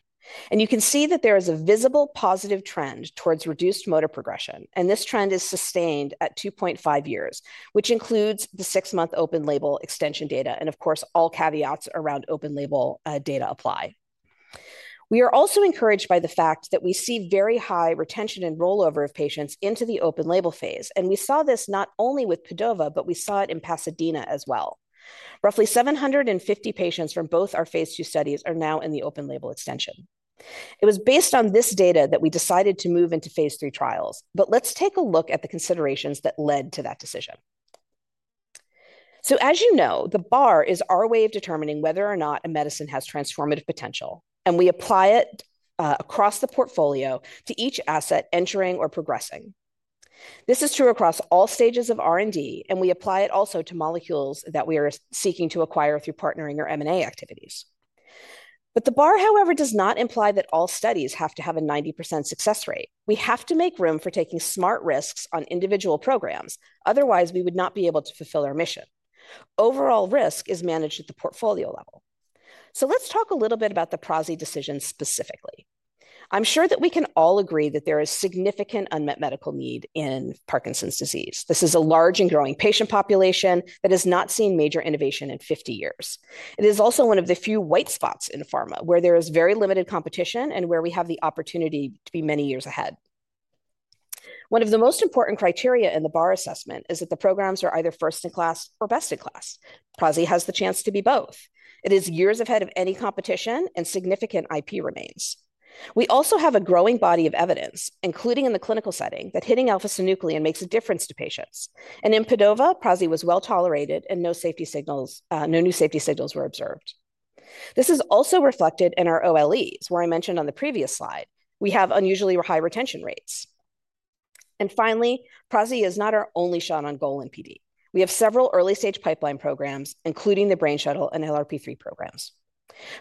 You can see that there is a visible positive trend towards reduced motor progression. This trend is sustained at 2.5 years, which includes the six-month open label extension data. Of course, all caveats around open label data apply. We are also encouraged by the fact that we see very high retention and rollover of patients into the open label phase. We saw this not only with PADOVA, but we saw it in Pasadena as well. Roughly 750 patients from both our phase two studies are now in the open label extension. It was based on this data that we decided to move into phase three trials. Let us take a look at the considerations that led to that decision. As you know, the bar is our way of determining whether or not a medicine has transformative potential. We apply it across the portfolio to each asset entering or progressing. This is true across all stages of R&D, and we apply it also to molecules that we are seeking to acquire through partnering or M&A activities. The bar, however, does not imply that all studies have to have a 90% success rate. We have to make room for taking smart risks on individual programs. Otherwise, we would not be able to fulfill our mission. Overall risk is managed at the portfolio level. Let's talk a little bit about the prasi decision specifically. I'm sure that we can all agree that there is significant unmet medical need in Parkinson's disease. This is a large and growing patient population that has not seen major innovation in 50 years. It is also one of the few white spots in pharma where there is very limited competition and where we have the opportunity to be many years ahead. One of the most important criteria in the bar assessment is that the programs are either first in class or best in class. Prasi has the chance to be both. It is years ahead of any competition and significant IP remains. We also have a growing body of evidence, including in the clinical setting, that hitting alpha-synuclein makes a difference to patients. In PADOVA, prasiwas well tolerated and no new safety signals were observed. This is also reflected in our OLEs, where I mentioned on the previous slide. We have unusually high retention rates. Finally, prasi is not our only shot on goal in PD. We have several early-stage pipeline programs, including the brain shuttle and LRP3 programs.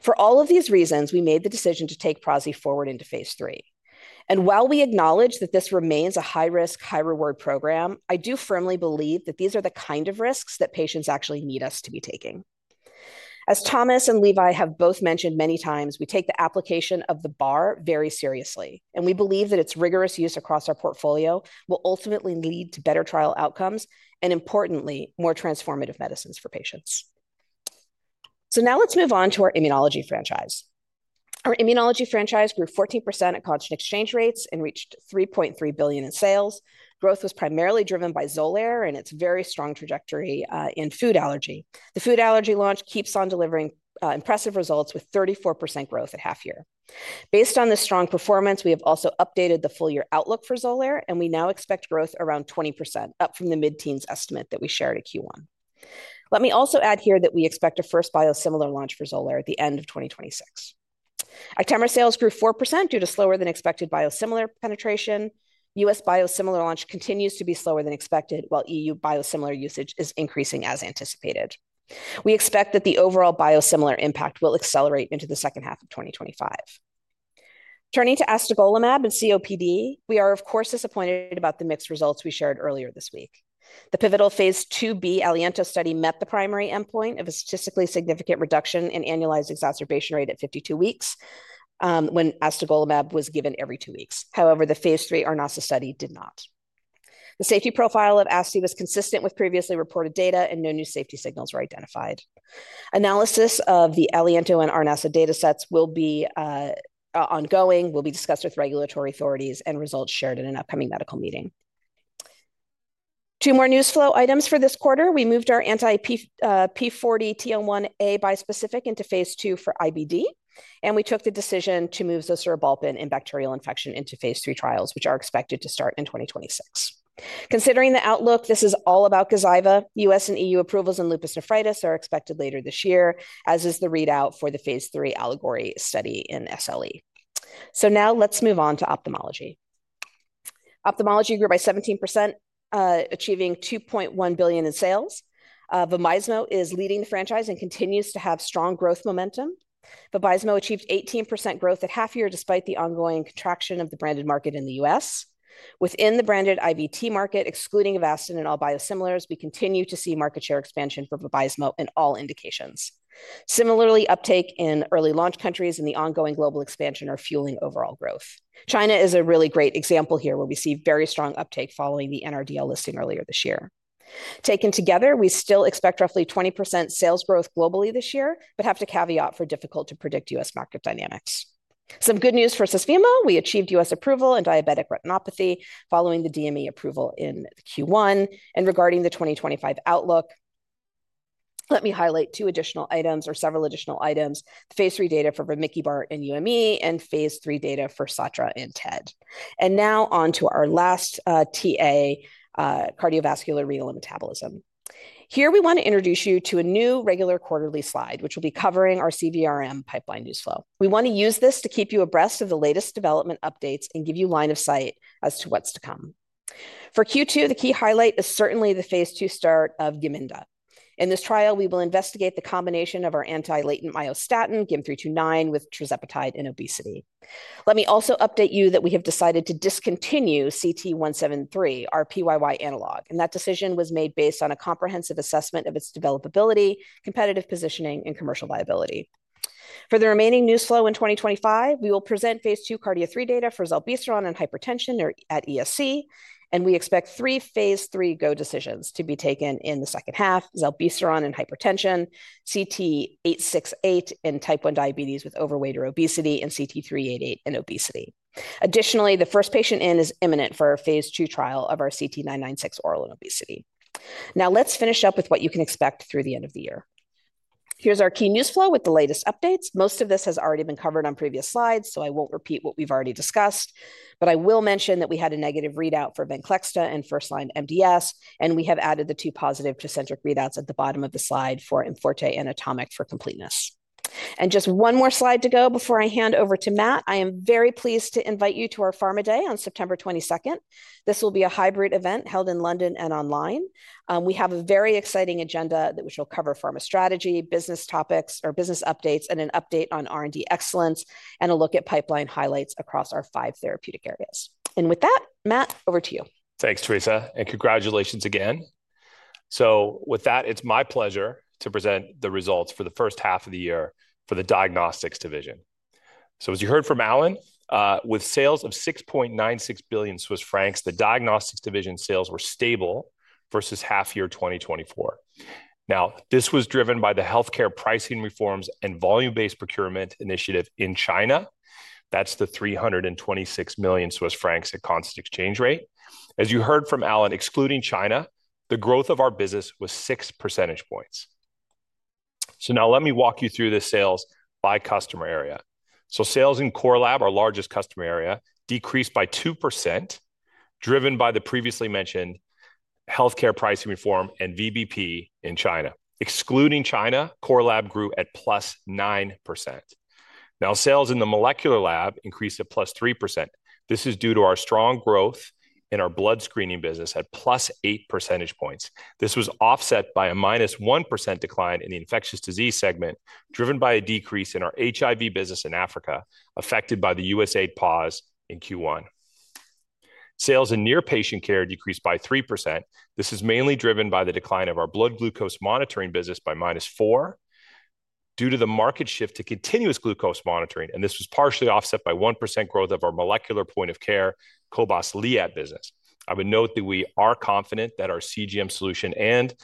For all of these reasons, we made the decision to take prasi forward into phase three. While we acknowledge that this remains a high-risk, high-reward program, I do firmly believe that these are the kind of risks that patients actually need us to be taking. As Thomas and Levi have both mentioned many times, we take the application of the bar very seriously. We believe that its rigorous use across our portfolio will ultimately lead to better trial outcomes and, importantly, more transformative medicines for patients. Now let's move on to our immunology franchise. Our immunology franchise grew 14% at constant exchange rates and reached 3.3 billion in sales. Growth was primarily driven by Xolair and its very strong trajectory in food allergy. The food allergy launch keeps on delivering impressive results with 34% growth at half year. Based on this strong performance, we have also updated the full-year outlook for Xolair, and we now expect growth around 20%, up from the mid-teens estimate that we shared at Q1. Let me also add here that we expect a first biosimilar launch for Xolair at the end of 2026. Actemra sales grew 4% due to slower than expected biosimilar penetration. U.S. biosimilar launch continues to be slower than expected, while EU biosimilar usage is increasing as anticipated. We expect that the overall biosimilar impact will accelerate into the second half of 2025. Turning to astegolimab and COPD, we are, of course, disappointed about the mixed results we shared earlier this week. The pivotal phase 2b ALIENTO study met the primary endpoint of a statistically significant reduction in annualized exacerbation rate at 52 weeks when astegolimab was given every two weeks. However, the phase 3 ARNASA study did not. The safety profile of astegolimab was consistent with previously reported data, and no new safety signals were identified. Analysis of the ALIENTO and ARNASA data sets will be ongoing, will be discussed with regulatory authorities, and results shared in an upcoming medical meeting. Two more news flow items for this quarter. We moved our anti-p40/TL1A bispecific into phase 2 for IBD, and we took the decision to move zosurabalpin in bacterial infection into phase 3 trials, which are expected to start in 2026. Considering the outlook, this is all about Gazyva. U.S. and EU approvals in lupus nephritis are expected later this year, as is the readout for the phase three ALLEGORY study in SLE. Now let's move on to ophthalmology. Ophthalmology grew by 17%, achieving $2.1 billion in sales. Vabysmo is leading the franchise and continues to have strong growth momentum. Vabysmo achieved 18% growth at half year despite the ongoing contraction of the branded market in the U.S. Within the branded IVT market, excluding Avastin and all biosimilars, we continue to see market share expansion for Vabysmo in all indications. Similarly, uptake in early launch countries and the ongoing global expansion are fueling overall growth. China is a really great example here where we see very strong uptake following the NRDL listing earlier this year. Taken together, we still expect roughly 20% sales growth globally this year, but have to caveat for difficult-to-predict U.S. market dynamics. Some good news for Susvimo. We achieved U.S. approval in diabetic retinopathy following the DME approval in Q1. Regarding the 2025 outlook, let me highlight several additional items. Phase three data for vamikibart in UME and phase three data for Satra in TED. Now on to our last TA, cardiovascular renal metabolism. Here we want to introduce you to a new regular quarterly slide, which will be covering our CVRM pipeline news flow. We want to use this to keep you abreast of the latest development updates and give you line of sight as to what's to come. For Q2, the key highlight is certainly the phase two start of GYMINDA. In this trial, we will investigate the combination of our anti-latent myostatin, GYM 329, with tirzepatide in obesity. Let me also update you that we have decided to discontinue CT-173, our PYY analog. That decision was made based on a comprehensive assessment of its developability, competitive positioning, and commercial viability. For the remaining news flow in 2025, we will present phase two cardio three data for Zalbystron in hypertension at ESC. We expect three phase three go decisions to be taken in the second half: Zalbystron in hypertension, CT-868 in type 1 diabetes with overweight or obesity, and CT-388 in obesity. Additionally, the first patient in is imminent for our phase two trial of our CT-996 oral in obesity. Now let's finish up with what you can expect through the end of the year. Here is our key news flow with the latest updates. Most of this has already been covered on previous slides, so I won't repeat what we've already discussed. I will mention that we had a negative readout for Venclexta in first-line MDS, and we have added the two positive Tecentriq readouts at the bottom of the slide for Inforte and ATOMIC for completeness. Just one more slide to go before I hand over to Matt. I am very pleased to invite you to our Pharma Day on September 22nd. This will be a hybrid event held in London and online. We have a very exciting agenda that will cover pharma strategy, business topics, our business updates, an update on R&D excellence, and a look at pipeline highlights across our five therapeutic areas. With that, Matt, over to you. Thanks, Teresa, and congratulations again. With that, it's my pleasure to present the results for the first half of the year for the diagnostics division. As you heard from Alan, with sales of 6.96 billion Swiss francs, the diagnostics division sales were stable versus half year 2024. This was driven by the healthcare pricing reforms and volume-based procurement initiative in China. That is the 326 million Swiss francs at constant exchange rate. As you heard from Alan, excluding China, the growth of our business was 6 percentage points. Now let me walk you through the sales by customer area. Sales in Core Lab, our largest customer area, decreased by 2%, driven by the previously mentioned healthcare pricing reform and VBP in China. Excluding China, Core Lab grew at +9%. Sales in the molecular lab increased at +3%. This is due to our strong growth in our blood screening business at +8 percentage points. This was offset by a -1% decline in the infectious disease segment, driven by a decrease in our HIV business in Africa, affected by the USAID pause in Q1. Sales in near patient care decreased by 3%. This is mainly driven by the decline of our blood glucose monitoring business by -4% due to the market shift to continuous glucose monitoring. This was partially offset by 1% growth of our molecular point of care, cobas liat business. I would note that we are confident that our CGM solution and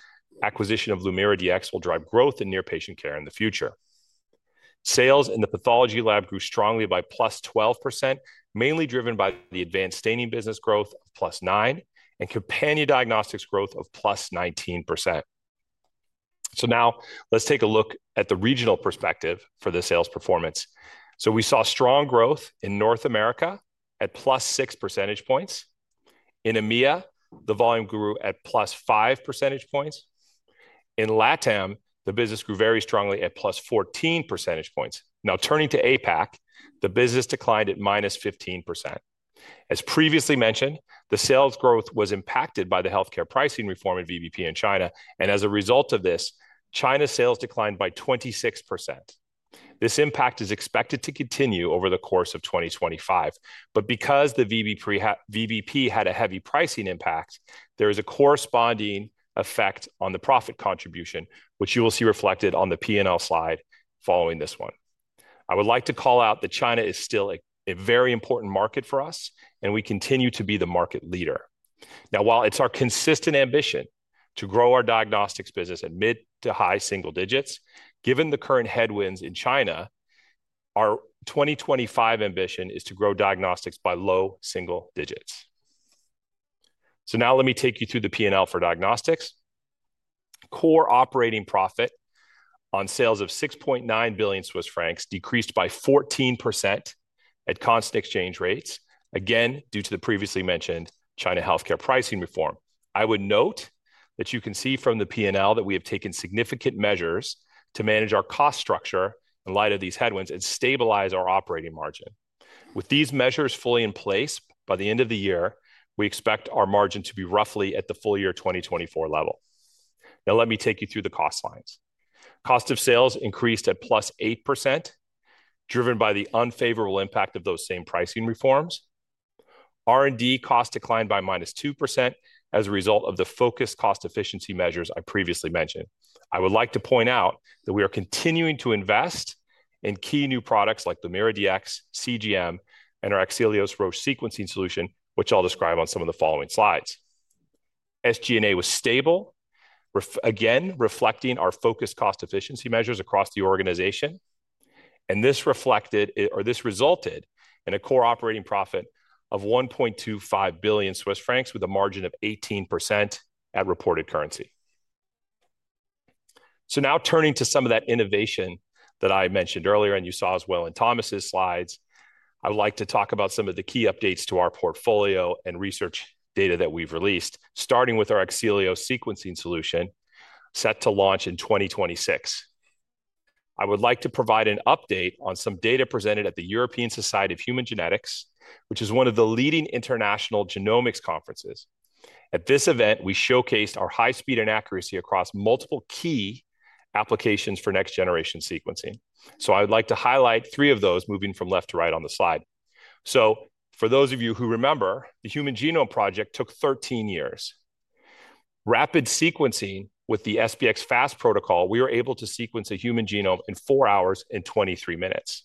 acquisition of LumiraDx will drive growth in near patient care in the future. Sales in the pathology lab grew strongly by +12%, mainly driven by the advanced staining business growth of +9% and companion diagnostics growth of +19%. Now let's take a look at the regional perspective for the sales performance. We saw strong growth in North America at +6 percentage points. In EMEA, the volume grew at +5 percentage points. In LATAM, the business grew very strongly at +14 percentage points. Now turning to APAC, the business declined at -15%. As previously mentioned, the sales growth was impacted by the healthcare pricing reform in VBP in China. As a result of this, China's sales declined by 26%. This impact is expected to continue over the course of 2025. Because the VBP had a heavy pricing impact, there is a corresponding effect on the profit contribution, which you will see reflected on the P&L slide following this one. I would like to call out that China is still a very important market for us, and we continue to be the market leader. Now, while it's our consistent ambition to grow our diagnostics business at mid to high single digits, given the current headwinds in China, our 2025 ambition is to grow diagnostics by low single digits. Let me take you through the P&L for diagnostics. Core operating profit on sales of 6.9 billion Swiss francs decreased by 14% at constant exchange rates, again, due to the previously mentioned China healthcare pricing reform. I would note that you can see from the P&L that we have taken significant measures to manage our cost structure in light of these headwinds and stabilize our operating margin. With these measures fully in place, by the end of the year, we expect our margin to be roughly at the full year 2024 level. Let me take you through the cost lines. Cost of sales increased at +8%, driven by the unfavorable impact of those same pricing reforms. R&D cost declined by -2% as a result of the focused cost efficiency measures I previously mentioned. I would like to point out that we are continuing to invest in key new products like LumiraDx, CGM, and our Axelios Roche sequencing solution, which I'll describe on some of the following slides. SG&A was stable, again, reflecting our focused cost efficiency measures across the organization. This resulted in a core operating profit of 1.25 billion Swiss francs with a margin of 18% at reported currency. Now turning to some of that innovation that I mentioned earlier, and you saw as well in Thomas's slides, I would like to talk about some of the key updates to our portfolio and research data that we have released, starting with our Axelios sequencing solution set to launch in 2026. I would like to provide an update on some data presented at the European Society of Human Genetics, which is one of the leading international genomics conferences. At this event, we showcased our high speed and accuracy across multiple key applications for next-generation sequencing. I would like to highlight three of those moving from left to right on the slide. For those of you who remember, the Human Genome Project took 13 years. With rapid sequencing using the SBX FAST protocol, we were able to sequence a human genome in four hours and 23 minutes.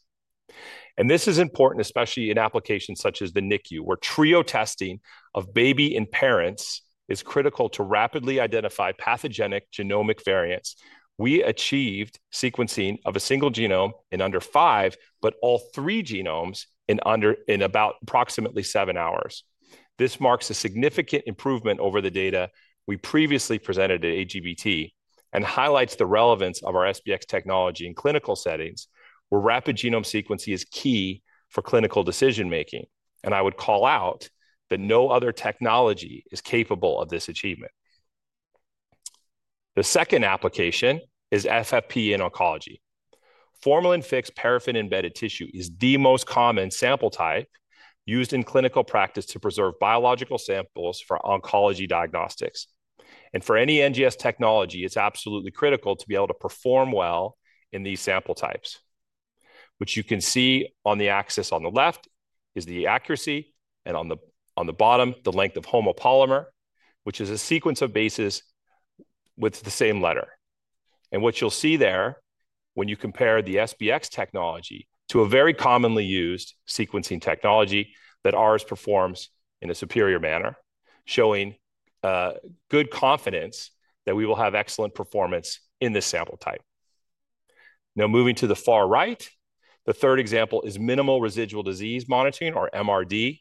This is important, especially in applications such as the NICU, where trio testing of baby and parents is critical to rapidly identify pathogenic genomic variants. We achieved sequencing of a single genome in under five, but all three genomes in about approximately seven hours. This marks a significant improvement over the data we previously presented at AGBT and highlights the relevance of our SBX technology in clinical settings, where rapid genome sequencing is key for clinical decision-making. I would call out that no other technology is capable of this achievement. The second application is FFP in oncology. Formalin-fixed paraffin embedded tissue is the most common sample type used in clinical practice to preserve biological samples for oncology diagnostics. For any NGS technology, it's absolutely critical to be able to perform well in these sample types, which you can see on the axis on the left is the accuracy, and on the bottom, the length of homopolymer, which is a sequence of bases with the same letter. What you'll see there when you compare the SBX technology to a very commonly used sequencing technology is that ours performs in a superior manner, showing good confidence that we will have excellent performance in this sample type. Now, moving to the far right, the third example is minimal residual disease monitoring, or MRD,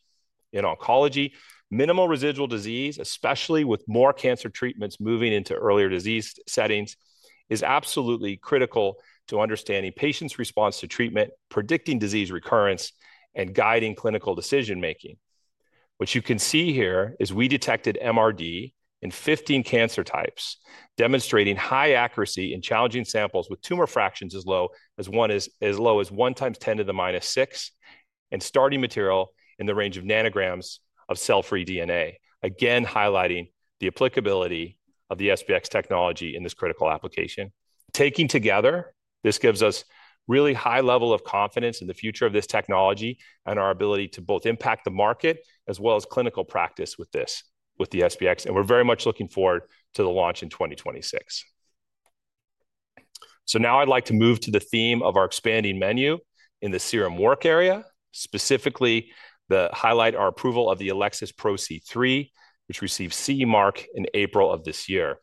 in oncology. Minimal residual disease, especially with more cancer treatments moving into earlier disease settings, is absolutely critical to understanding patients' response to treatment, predicting disease recurrence, and guiding clinical decision-making. What you can see here is we detected MRD in 15 cancer types, demonstrating high accuracy in challenging samples with tumor fractions as low as one times 10 to the -6 and starting material in the range of nanograms of cell-free DNA, again highlighting the applicability of the SBX technology in this critical application. Taking together, this gives us really high level of confidence in the future of this technology and our ability to both impact the market as well as clinical practice with this, with the SBX. We are very much looking forward to the launch in 2026. Now I'd like to move to the theme of our expanding menu in the serum work area, specifically to highlight our approval of the Elecsys PRO-C3, which received CE mark in April of this year.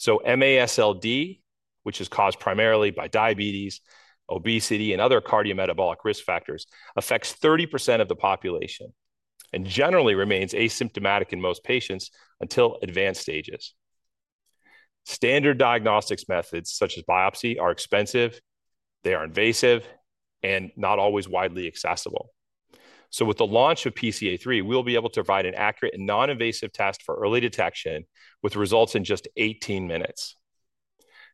MASLD, which is caused primarily by diabetes, obesity, and other cardiometabolic risk factors, affects 30% of the population and generally remains asymptomatic in most patients until advanced stages. Standard diagnostics methods such as biopsy are expensive, they are invasive, and not always widely accessible. With the launch of PRO-C3, we'll be able to provide an accurate and non-invasive test for early detection with results in just 18 minutes.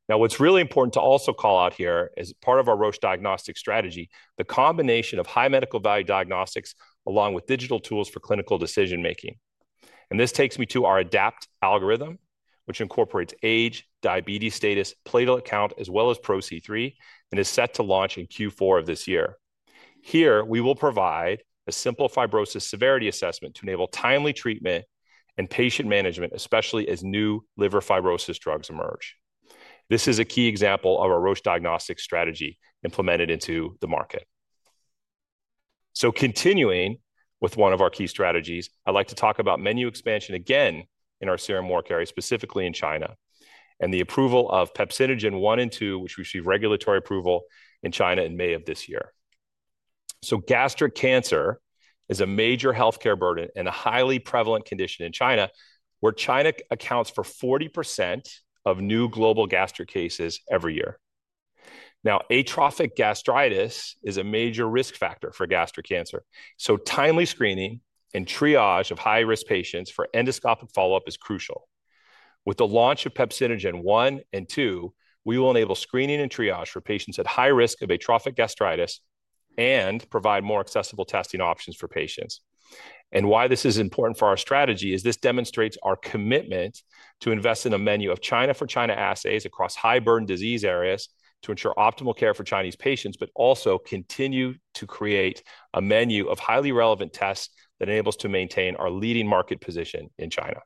Now, what's really important to also call out here is part of our Roche diagnostic strategy, the combination of high medical value diagnostics along with digital tools for clinical decision-making. This takes me to our ADAPT algorithm, which incorporates age, diabetes status, platelet count, as well as PRO-C3, and is set to launch in Q4 of this year. Here, we will provide a simple fibrosis severity assessment to enable timely treatment and patient management, especially as new liver fibrosis drugs emerge. This is a key example of our Roche diagnostic strategy implemented into the market. Continuing with one of our key strategies, I'd like to talk about menu expansion again in our serum work area, specifically in China, and the approval of Pepsinogen I and II, which received regulatory approval in China in May of this year. Gastric cancer is a major healthcare burden and a highly prevalent condition in China, where China accounts for 40% of new global gastric cases every year. Atrophic gastritis is a major risk factor for gastric cancer. Timely screening and triage of high-risk patients for endoscopic follow-up is crucial. With the launch of Pepsinogen I and II, we will enable screening and triage for patients at high risk of atrophic gastritis and provide more accessible testing options for patients. Why this is important for our strategy is this demonstrates our commitment to invest in a menu of China for China assays across high-burden disease areas to ensure optimal care for Chinese patients, but also continue to create a menu of highly relevant tests that enables us to maintain our leading market position in China.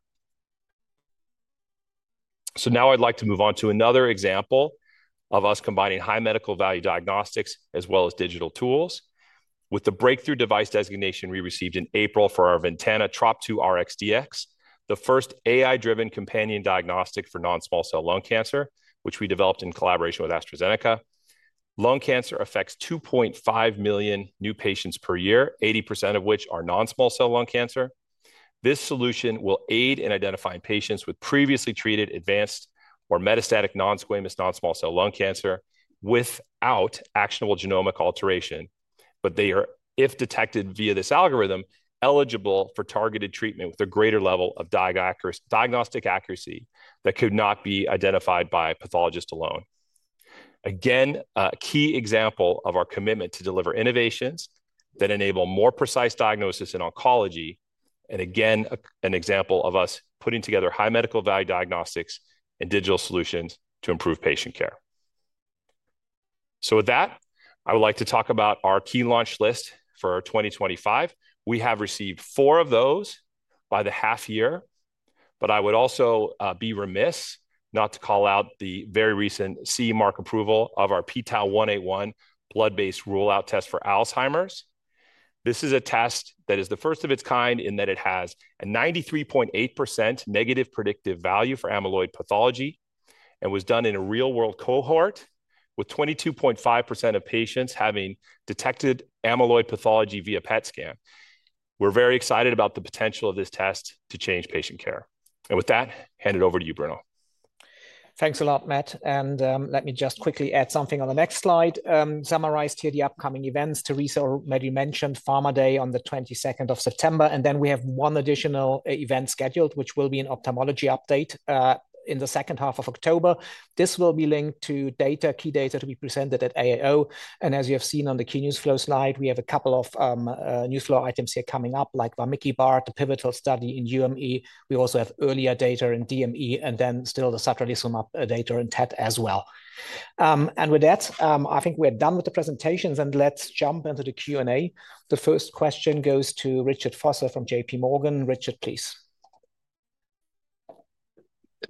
I would like to move on to another example of us combining high medical value diagnostics as well as digital tools. With the breakthrough device designation we received in April for our VENTANA TROP2 RxDx, the first AI-driven companion diagnostic for non-small cell lung cancer, which we developed in collaboration with AstraZeneca, lung cancer affects 2.5 million new patients per year, 80% of which are non-small cell lung cancer. This solution will aid in identifying patients with previously treated advanced or metastatic non-squamous non-small cell lung cancer without actionable genomic alteration, but they are, if detected via this algorithm, eligible for targeted treatment with a greater level of diagnostic accuracy that could not be identified by a pathologist alone. Again, a key example of our commitment to deliver innovations that enable more precise diagnosis in oncology, and again, an example of us putting together high medical value diagnostics and digital solutions to improve patient care. With that, I would like to talk about our key launch list for 2025. We have received four of those by the half year, but I would also be remiss not to call out the very recent CE mark approval of our pTau 181 blood-based rule-out test for Alzheimer's. This is a test that is the first of its kind in that it has a 93.8% negative predictive value for amyloid pathology and was done in a real-world cohort with 22.5% of patients having detected amyloid pathology via PET scan. We're very excited about the potential of this test to change patient care. With that, hand it over to you, Bruno. Thanks a lot, Matt. Let me just quickly add something on the next slide. Summarized here the upcoming events, Teresa already mentioned Pharma Day on the 22nd of September, and we have one additional event scheduled, which will be an ophthalmology update in the second half of October. This will be linked to data, key data to be presented at AAO. As you have seen on the key news flow slide, we have a couple of news flow items here coming up, like vamikibart, the pivotal study in UME. We also have earlier data in DME, and then still the Sutter-Liselman data in TET as well. With that, I think we're done with the presentations, and let's jump into the Q&A. The first question goes to Richard Foster from JPMorgan. Richard, please.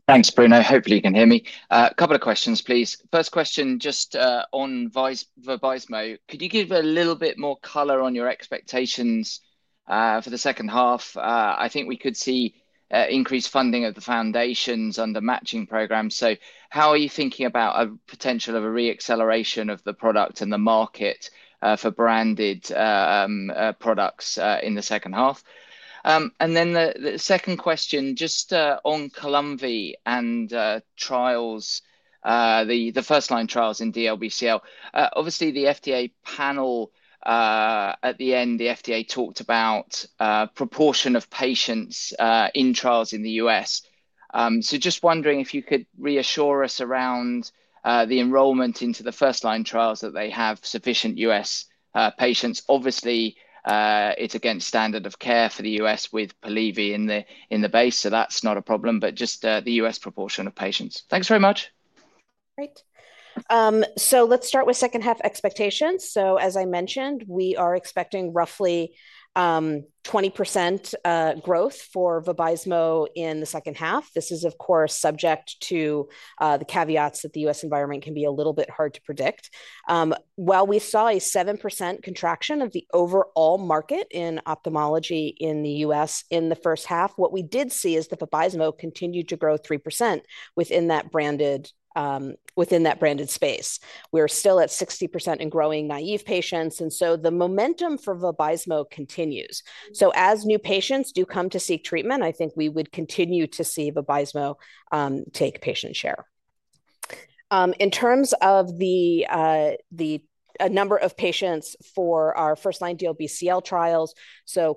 Thanks, Bruno. Hopefully, you can hear me. A couple of questions, please. First question, just on Vabysmo, could you give a little bit more color on your expectations for the second half? I think we could see increased funding of the foundations under matching programs. How are you thinking about a potential of a re-acceleration of the product and the market for branded products in the second half? The second question, just on Columvi and trials, the first-line trials in DLBCL. Obviously, the FDA panel at the end, the FDA talked about the proportion of patients in trials in the U.S. Just wondering if you could reassure us around the enrollment into the first-line trials that they have sufficient U.S. patients. Obviously, it's against standard of care for the U.S. with Polivy in the base, so that's not a problem, but just the U.S. proportion of patients. Thanks very much. Great. Let's start with second-half expectations. As I mentioned, we are expecting roughly 20% growth for Vabysmo in the second half. This is, of course, subject to the caveats that the U.S. environment can be a little bit hard to predict. While we saw a 7% contraction of the overall market in ophthalmology in the U.S. in the first half, what we did see is that Vabysmo continued to grow 3% within that branded space. We're still at 60% and growing in naive patients, and the momentum for Vabysmo continues. As new patients do come to seek treatment, I think we would continue to see Vabysmo take patient share. In terms of the number of patients for our first-line DLBCL trials,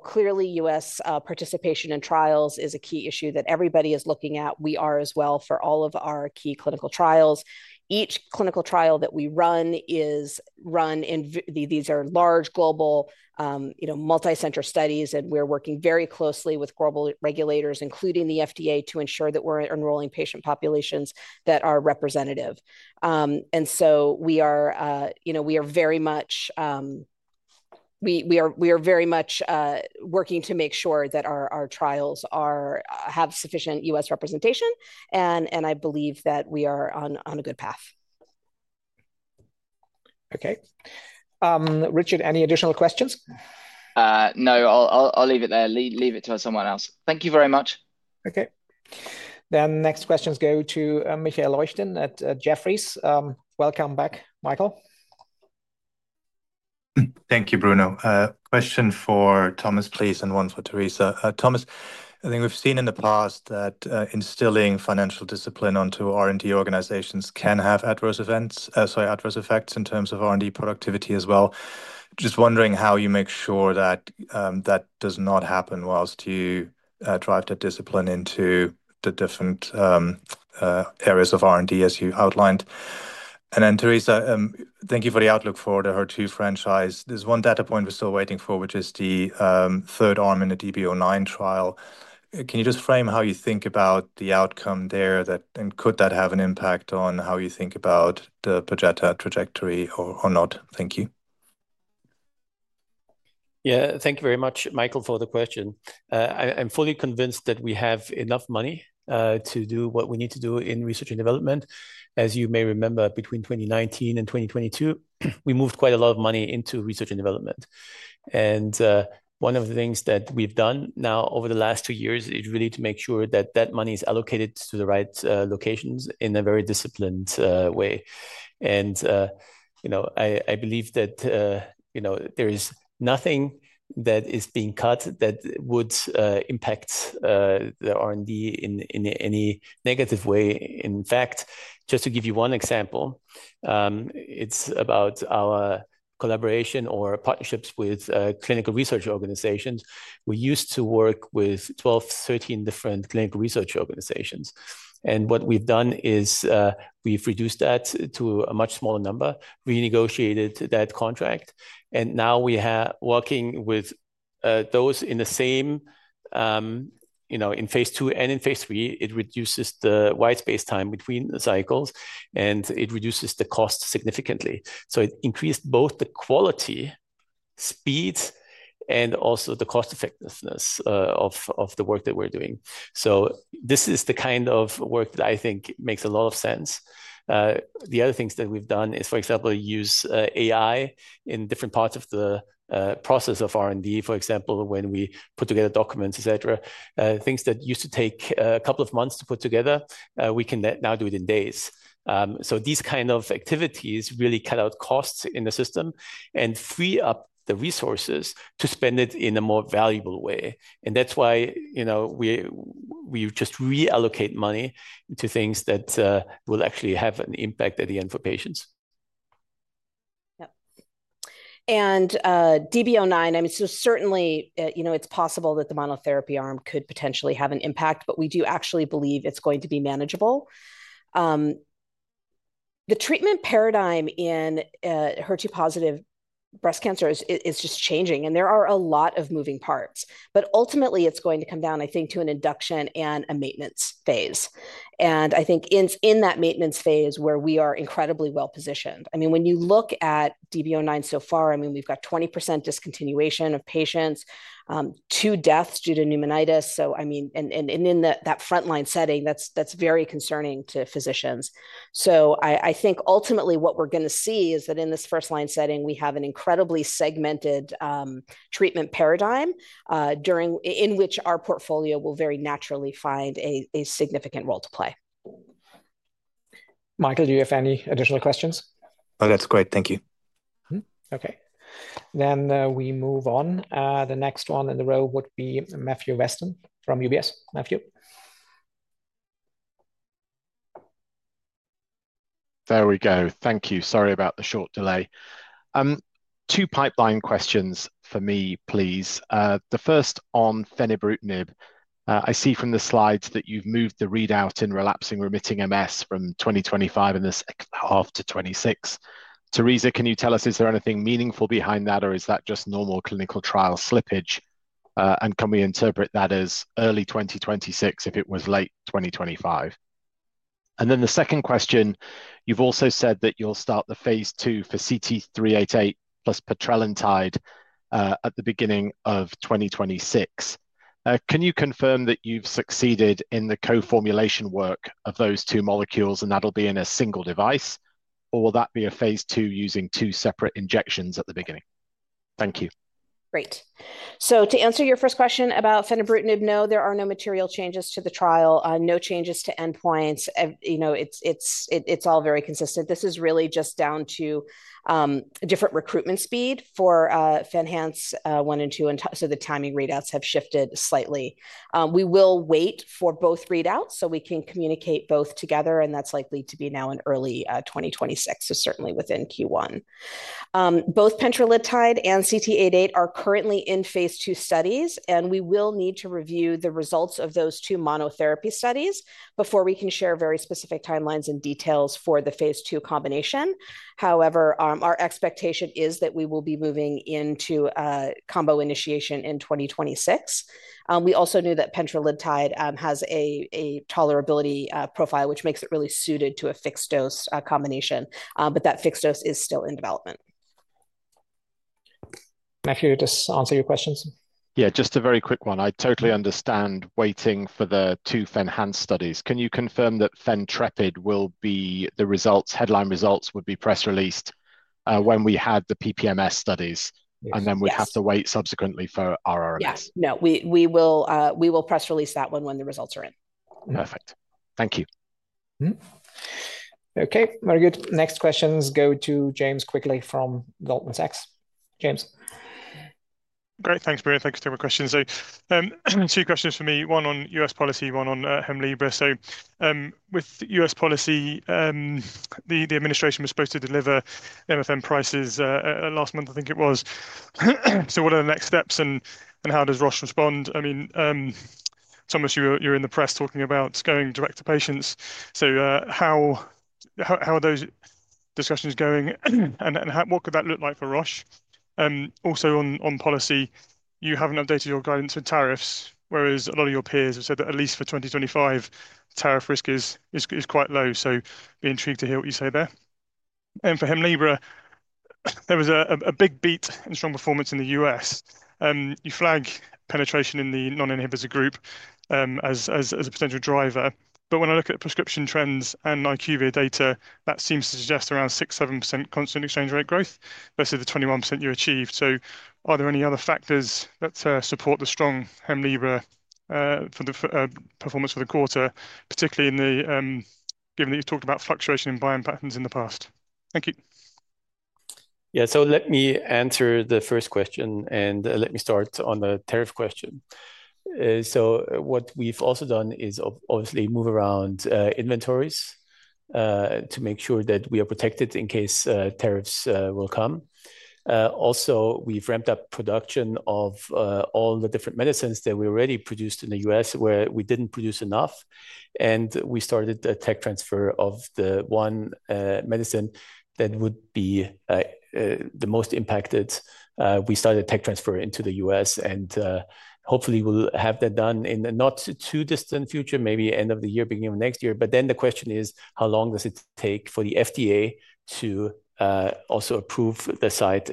clearly U.S. participation in trials is a key issue that everybody is looking at. We are as well for all of our key clinical trials. Each clinical trial that we run is run in these are large global multicenter studies, and we're working very closely with global regulators, including the FDA, to ensure that we're enrolling patient populations that are representative. We are very much working to make sure that our trials have sufficient U.S. representation, and I believe that we are on a good path. Okay. Richard, any additional questions? No, I'll leave it there. Leave it to someone else. Thank you very much. Okay. Next questions go to Michael Leuchten at Jefferies. Welcome back, Michael. Thank you, Bruno. Question for Thomas, please, and one for Teresa. Thomas, I think we've seen in the past that instilling financial discipline onto R&D organizations can have adverse effects in terms of R&D productivity as well. Just wondering how you make sure that that does not happen whilst you drive that discipline into the different areas of R&D, as you outlined. Teresa, thank you for the outlook for the HER2 franchise. There's one data point we're still waiting for, which is the third arm in the DB09 trial. Can you just frame how you think about the outcome there, and could that have an impact on how you think about the Perjeta trajectory or not? Thank you. Yeah, thank you very much, Michael, for the question. I'm fully convinced that we have enough money to do what we need to do in research and development. As you may remember, between 2019 and 2022, we moved quite a lot of money into research and development. One of the things that we've done now over the last two years is really to make sure that that money is allocated to the right locations in a very disciplined way. I believe that there is nothing that is being cut that would impact the R&D in any negative way. In fact, just to give you one example, it's about our collaboration or partnerships with clinical research organizations. We used to work with 12, 13 different clinical research organizations. What we've done is we've reduced that to a much smaller number. We negotiated that contract. We are working with those in the same in phase two and in phase three. It reduces the white space time between the cycles, and it reduces the cost significantly. It increased both the quality, speeds, and also the cost-effectiveness of the work that we are doing. This is the kind of work that I think makes a lot of sense. The other things that we have done is, for example, use AI in different parts of the process of R&D, for example, when we put together documents, et cetera. Things that used to take a couple of months to put together, we can now do it in days. These kinds of activities really cut out costs in the system and free up the resources to spend it in a more valuable way. That's why we just reallocate money to things that will actually have an impact at the end for patients. Yep. And DB09, I mean, so certainly, it's possible that the monotherapy arm could potentially have an impact, but we do actually believe it's going to be manageable. The treatment paradigm in HER2-positive breast cancer is just changing, and there are a lot of moving parts. Ultimately, it's going to come down, I think, to an induction and a maintenance phase. I think in that maintenance phase where we are incredibly well-positioned. I mean, when you look at DB09 so far, we've got 20% discontinuation of patients, two deaths due to pneumonitis. I mean, and in that frontline setting, that's very concerning to physicians. I think ultimately what we're going to see is that in this first-line setting, we have an incredibly segmented treatment paradigm in which our portfolio will very naturally find a significant role to play. Michael, do you have any additional questions? Oh, that's great. Thank you. Okay. Then we move on. The next one in the row would be Matthew Weston from UBS. Matthew. There we go. Thank you. Sorry about the short delay. Two pipeline questions for me, please. The first on fenebrutinib. I see from the slides that you've moved the readout in relapsing-remitting MS from 2025 in this half to 2026. Teresa, can you tell us, is there anything meaningful behind that, or is that just normal clinical trial slippage? Can we interpret that as early 2026 if it was late 2025? The second question, you've also said that you'll start the phase two for CT-388 plus petrelintide at the beginning of 2026. Can you confirm that you've succeeded in the co-formulation work of those two molecules, and that will be in a single device? Or will that be a phase two using two separate injections at the beginning? Thank you. Great. To answer your first question about fenebrutinib, no, there are no material changes to the trial, no changes to endpoints. It's all very consistent. This is really just down to different recruitment speed for FENhance one and two, and the timing readouts have shifted slightly. We will wait for both readouts so we can communicate both together, and that's likely to be now in early 2026, certainly within Q1. Both petrelintide and CT-388 are currently in phase two studies, and we will need to review the results of those two monotherapy studies before we can share very specific timelines and details for the phase two combination. However, our expectation is that we will be moving into combo initiation in 2026. We also know that petrelintide has a tolerability profile, which makes it really suited to a fixed-dose combination, but that fixed dose is still in development. Matthew, just answer your questions. Yeah, just a very quick one. I totally understand waiting for the two FENhance studies. Can you confirm that Fentrepid will be the headline results would be press released when we had the PPMS studies, and then we'd have to wait subsequently for RRMS? Yes. No, we will press release that one when the results are in. Perfect. Thank you. Okay. Very good. Next questions go to James Quigley from Goldman Sachs. James. Great. Thanks, Bruno. Thanks for your questions. Two questions for me. One on U.S. policy, one on Hemlibra. With U.S. policy, the administration was supposed to deliver MFM prices last month, I think it was. What are the next steps, and how does Roche respond? I mean, Thomas, you're in the press talking about going direct to patients. How are those discussions going, and what could that look like for Roche? Also, on policy, you haven't updated your guidance for tariffs, whereas a lot of your peers have said that at least for 2025, tariff risk is quite low. I'd be intrigued to hear what you say there. For Hemlibra, there was a big beat and strong performance in the U.S.. You flag penetration in the non-inhibitor group as a potential driver. When I look at prescription trends and NICUVIA data, that seems to suggest around 6%-7% constant exchange rate growth versus the 21% you achieved. Are there any other factors that support the strong Hemlibra performance for the quarter, particularly given that you've talked about fluctuation in buying patterns in the past? Thank you. Yeah. Let me answer the first question, and let me start on the tariff question. What we've also done is obviously move around inventories to make sure that we are protected in case tariffs will come. Also, we've ramped up production of all the different medicines that we already produced in the U.S., where we didn't produce enough. We started a tech transfer of the one medicine that would be the most impacted. We started a tech transfer into the U.S., and hopefully, we'll have that done in the not-too-distant future, maybe end of the year, beginning of next year. The question is, how long does it take for the FDA to also approve the site?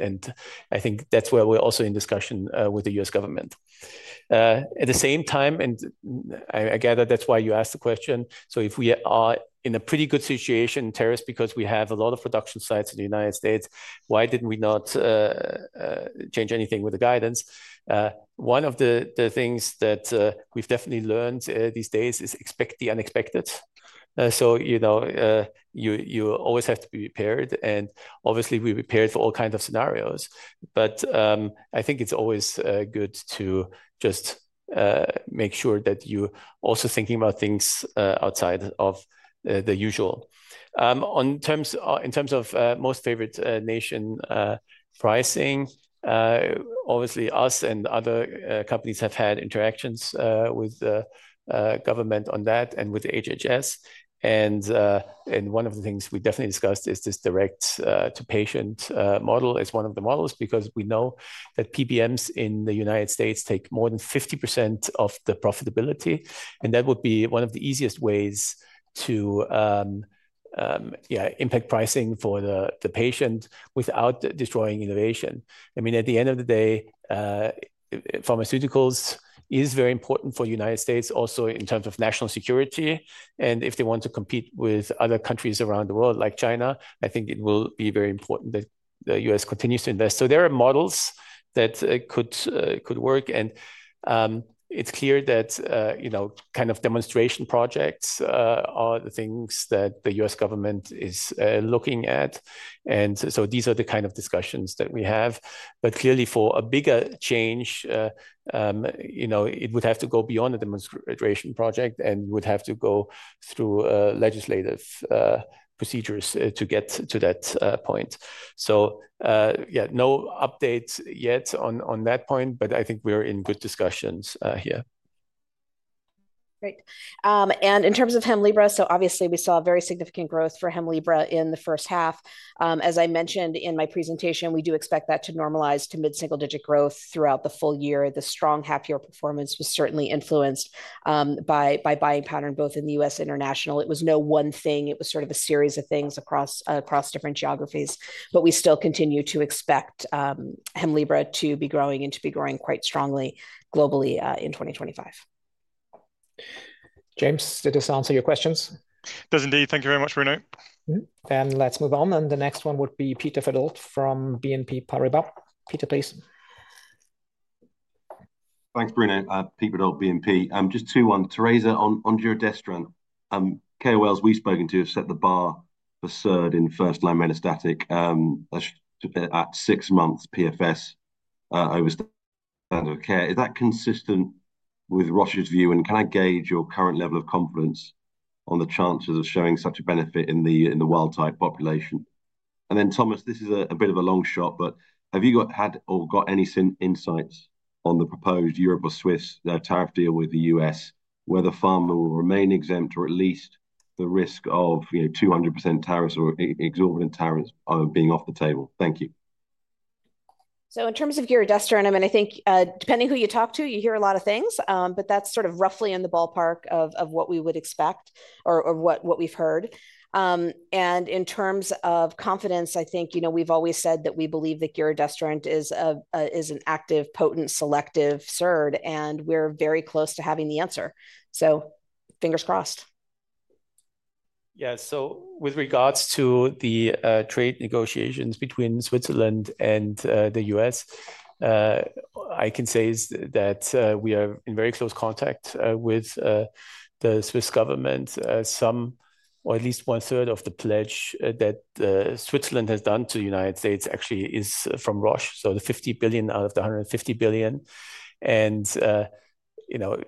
I think that's where we're also in discussion with the U.S. government. At the same time, and I gather that's why you asked the question, if we are in a pretty good situation in tariffs because we have a lot of production sites in the United States, why did we not change anything with the guidance? One of the things that we've definitely learned these days is expect the unexpected. You always have to be prepared, and obviously, we're prepared for all kinds of scenarios. I think it's always good to just make sure that you're also thinking about things outside of the usual. In terms of most favored nation pricing, obviously, us and other companies have had interactions with the government on that and with HHS. One of the things we definitely discussed is this direct-to-patient model. It's one of the models because we know that PBMs in the United States take more than 50% of the profitability. That would be one of the easiest ways to impact pricing for the patient without destroying innovation. I mean, at the end of the day, pharmaceuticals is very important for the United States also in terms of national security. If they want to compete with other countries around the world like China, I think it will be very important that the U.S. continues to invest. There are models that could work. It's clear that kind of demonstration projects are the things that the U.S. government is looking at. These are the kind of discussions that we have. Clearly, for a bigger change, it would have to go beyond a demonstration project, and you would have to go through legislative procedures to get to that point. Yeah, no updates yet on that point, but I think we're in good discussions here. Great. In terms of Hemlibra, obviously, we saw very significant growth for Hemlibra in the first half. As I mentioned in my presentation, we do expect that to normalize to mid-single-digit growth throughout the full year. The strong half-year performance was certainly influenced by buying pattern both in the U.S. and international. It was no one thing. It was sort of a series of things across different geographies. We still continue to expect Hemlibra to be growing and to be growing quite strongly globally in 2025. James, did this answer your questions? Does indeed. Thank you very much, Bruno. Let's move on. The next one would be Peter Verdult from BNP Paribas. Peter, please. Thanks, Bruno. Peter Verdult, BNP. Just two ones. Teresa, on giredestrant, KOLs we've spoken to have set the bar for CERD in first-line metastatic at six-month PFS over standard care. Is that consistent with Roche's view? Can I gauge your current level of confidence on the chances of showing such a benefit in the wild-type population? Thomas, this is a bit of a long shot, but have you had or got any insights on the proposed Europe or Swiss tariff deal with the U.S. where the pharma will remain exempt or at least the risk of 200% tariffs or exorbitant tariffs being off the table? Thank you. In terms of giredestrant, I mean, I think depending who you talk to, you hear a lot of things, but that's sort of roughly in the ballpark of what we would expect or what we've heard. In terms of confidence, I think we've always said that we believe that giredestrant is an active, potent, selective CERD, and we're very close to having the answer. Fingers crossed. Yeah. With regards to the trade negotiations between Switzerland and the U.S., I can say that we are in very close contact with the Swiss government. Some or at least one-third of the pledge that Switzerland has done to the United States actually is from Roche, so the 50 billion out of the 150 billion.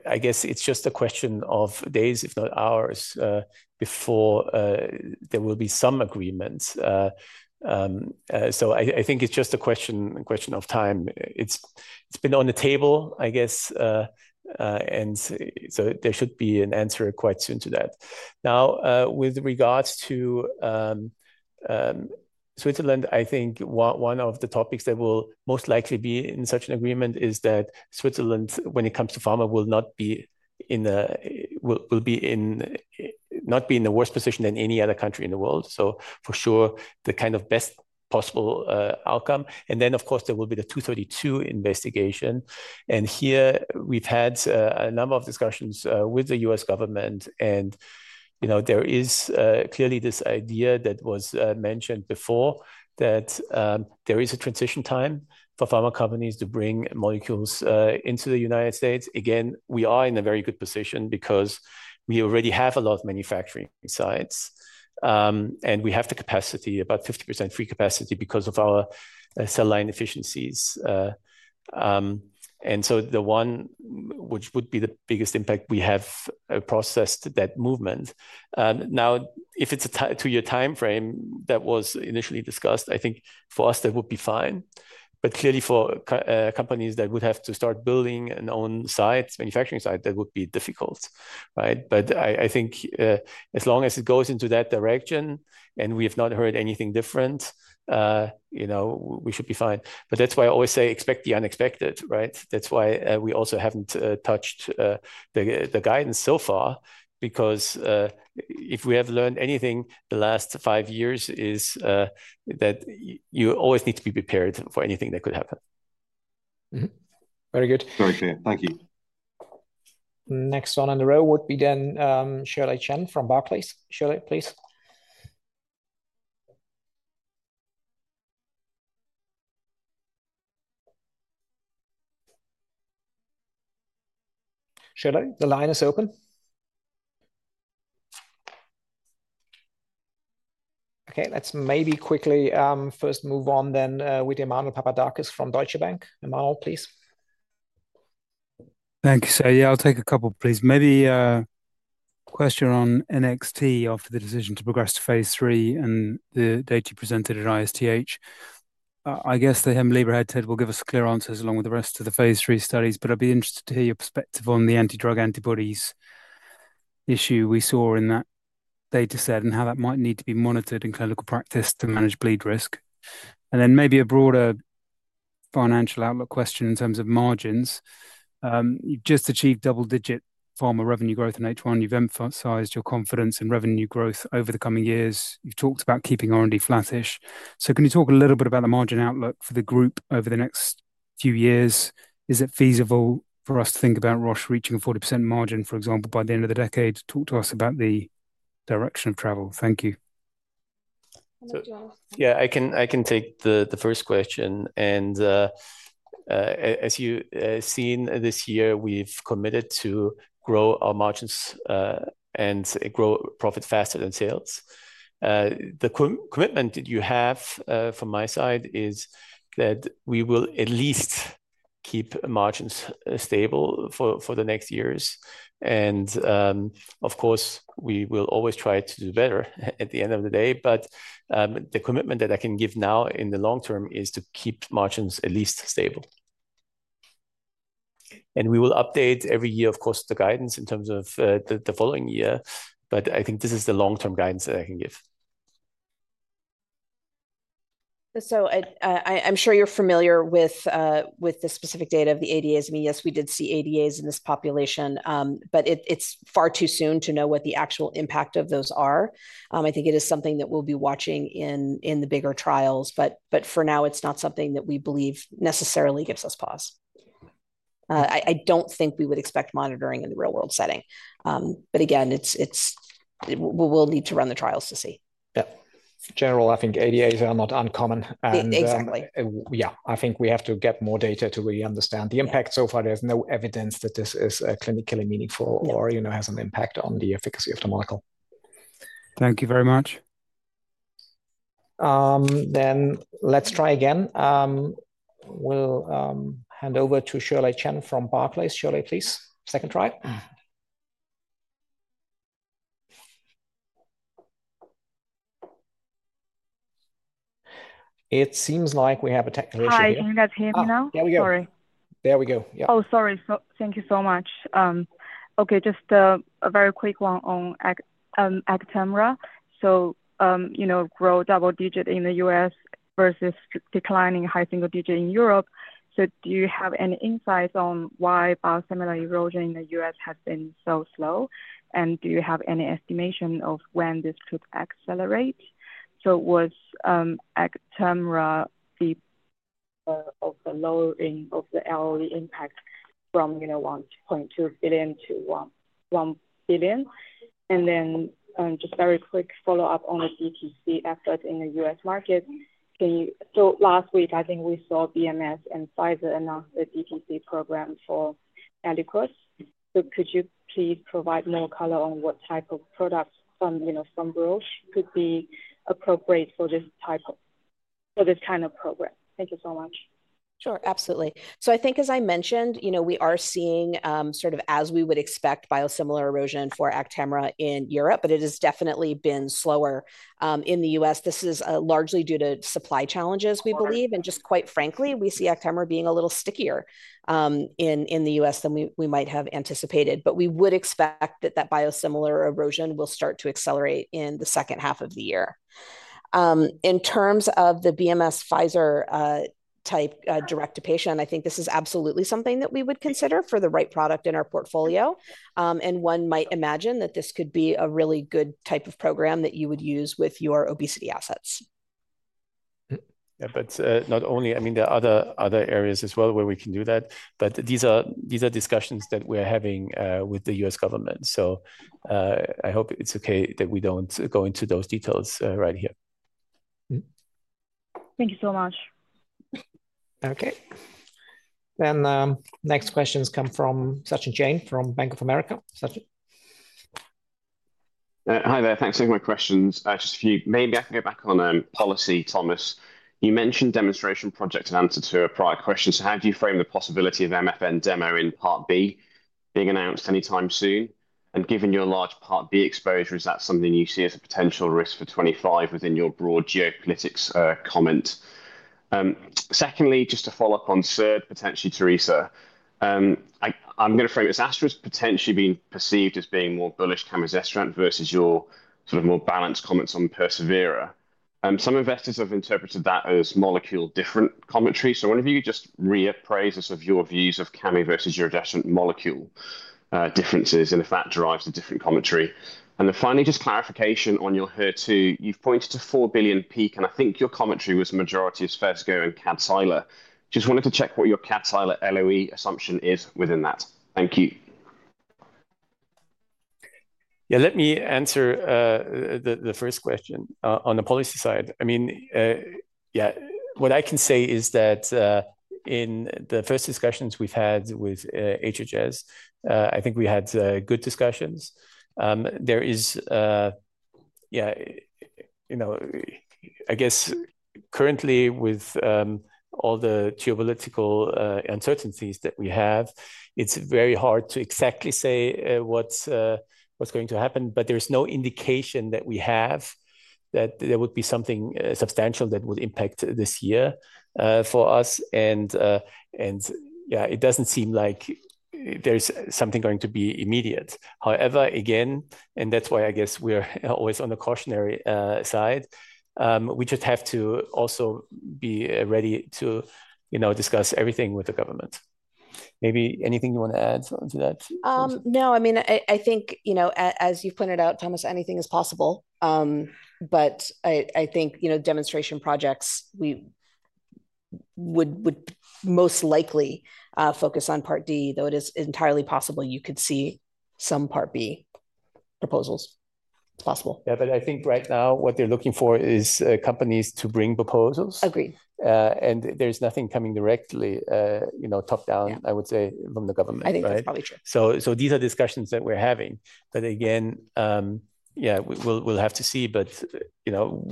I guess it's just a question of days, if not hours, before there will be some agreements. I think it's just a question of time. It's been on the table, I guess, and there should be an answer quite soon to that. Now, with regards to Switzerland, I think one of the topics that will most likely be in such an agreement is that Switzerland, when it comes to pharma, will not be in a worse position than any other country in the world. For sure, the kind of best possible outcome. Of course, there will be the 232 investigation. Here, we've had a number of discussions with the U.S. government. There is clearly this idea that was mentioned before that there is a transition time for pharma companies to bring molecules into the United States. Again, we are in a very good position because we already have a lot of manufacturing sites, and we have the capacity, about 50% free capacity because of our cell line efficiencies. The one which would be the biggest impact, we have processed that movement. If it's a two-year timeframe that was initially discussed, I think for us, that would be fine. Clearly, for companies that would have to start building an own site, manufacturing site, that would be difficult, right? I think as long as it goes into that direction and we have not heard anything different, we should be fine. That is why I always say expect the unexpected, right? That is why we also have not touched the guidance so far because if we have learned anything the last five years is that you always need to be prepared for anything that could happen. Very good. Very clear. Thank you. Next one on the row would be then Shirley Shin from Barclays. Shirley, please. Shirley, the line is open. Okay. Let's maybe quickly first move on then with Emmanuel Papadakis from Deutsche Bank. Emmanuel, please. Thank you, sir. Yeah, I'll take a couple, please. Maybe a question on NXT007 after the decision to progress to phase three and the data you presented at ISTH. I guess the Hemlibra head-to-head will give us clear answers along with the rest of the phase three studies, but I'd be interested to hear your perspective on the antidrug antibodies issue we saw in that data set and how that might need to be monitored in clinical practice to manage bleed risk. And then maybe a broader financial outlook question in terms of margins. You've just achieved double-digit pharma revenue growth in H1. You've emphasized your confidence in revenue growth over the coming years. You've talked about keeping R&D flattish. Can you talk a little bit about the margin outlook for the group over the next few years? Is it feasible for us to think about Roche reaching a 40% margin, for example, by the end of the decade? Talk to us about the direction of travel. Thank you. Yeah, I can take the first question. As you've seen this year, we've committed to grow our margins and grow profit faster than sales. The commitment that you have from my side is that we will at least keep margins stable for the next years. Of course, we will always try to do better at the end of the day. The commitment that I can give now in the long term is to keep margins at least stable. We will update every year, of course, the guidance in terms of the following year. I think this is the long-term guidance that I can give. I'm sure you're familiar with the specific data of the ADAs. I mean, yes, we did see ADAs in this population, but it's far too soon to know what the actual impact of those are. I think it is something that we'll be watching in the bigger trials. For now, it's not something that we believe necessarily gives us pause. I don't think we would expect monitoring in the real-world setting. Again, we'll need to run the trials to see. Yeah. General, I think ADAs are not uncommon. Exactly. Yeah. I think we have to get more data to really understand the impact. So far, there's no evidence that this is clinically meaningful or has an impact on the efficacy of the molecule. Thank you very much. Let's try again. We'll hand over to Shirley Shin from Barclays. Shirley, please, second try. It seems like we have a technician. Hi, I think that's him now. Yeah, we go. There we go. Yeah. Oh, sorry. Thank you so much. Okay, just a very quick one on Actemra. So grow double-digit in the U.S. versus declining high single-digit in Europe. Do you have any insights on why biosimilar erosion in the U.S. has been so slow? Do you have any estimation of when this could accelerate? Was Actemra the reason for the lowering of the LOE impact from 1.2 billion to 1 billion? Just a very quick follow-up on the DTC effort in the U.S. market. Last week, I think we saw BMS and Pfizer announce the DTC program for Eliquis. Could you please provide more color on what type of products from Roche could be appropriate for this type of program? Thank you so much. Sure. Absolutely. I think, as I mentioned, we are seeing sort of, as we would expect, biosimilar erosion for Actemra in Europe, but it has definitely been slower in the U.S. This is largely due to supply challenges, we believe. And just quite frankly, we see Actemra being a little stickier in the U.S. than we might have anticipated. We would expect that that biosimilar erosion will start to accelerate in the second half of the year. In terms of the BMS/Pfizer-type direct to patient, I think this is absolutely something that we would consider for the right product in our portfolio. One might imagine that this could be a really good type of program that you would use with your obesity assets. Yeah, but not only, I mean, there are other areas as well where we can do that. But these are discussions that we're having with the U.S. government. So I hope it's okay that we don't go into those details right here. Thank you so much. Okay. Next questions come from Sachin Jain from Bank of America. Sachin. Hi there. Thanks for taking my questions. Just a few. Maybe I can go back on policy, Thomas. You mentioned demonstration projects in answer to a prior question. How do you frame the possibility of MFN Demo in Part B being announced anytime soon? Given your large Part B exposure, is that something you see as a potential risk for 2025 within your broad geopolitics comment? Secondly, just to follow up on CER, potentially, Teresa, I'm going to frame it as Astra is potentially being perceived as being more bullish Cammi Zestran versus your sort of more balanced comments on persevERA. Some investors have interpreted that as molecule-different commentary. I wonder if you could just reappraise us of your views of Cammi versus your Zestran molecule differences and if that derives a different commentary. Finally, just clarification on your HER2. You've pointed to $4 billion peak, and I think your commentary was majority as Phesgo and Kadcyla. Just wanted to check what your Kadcyla LOE assumption is within that. Thank you. Yeah, let me answer the first question on the policy side. I mean, yeah, what I can say is that in the first discussions we've had with HHS, I think we had good discussions. There is, yeah, I guess currently with all the geopolitical uncertainties that we have, it's very hard to exactly say what's going to happen, but there's no indication that we have that there would be something substantial that would impact this year for us. Yeah, it doesn't seem like there's something going to be immediate. However, again, and that's why I guess we're always on the cautionary side, we just have to also be ready to discuss everything with the government. Maybe anything you want to add on to that? No, I mean, I think as you've pointed out, Thomas, anything is possible. I think demonstration projects would most likely focus on Part D, though it is entirely possible you could see some Part B proposals. It's possible. Yeah, but I think right now what they're looking for is companies to bring proposals. Agreed. There's nothing coming directly top-down, I would say, from the government. I think that's probably true. These are discussions that we're having. Again, we'll have to see.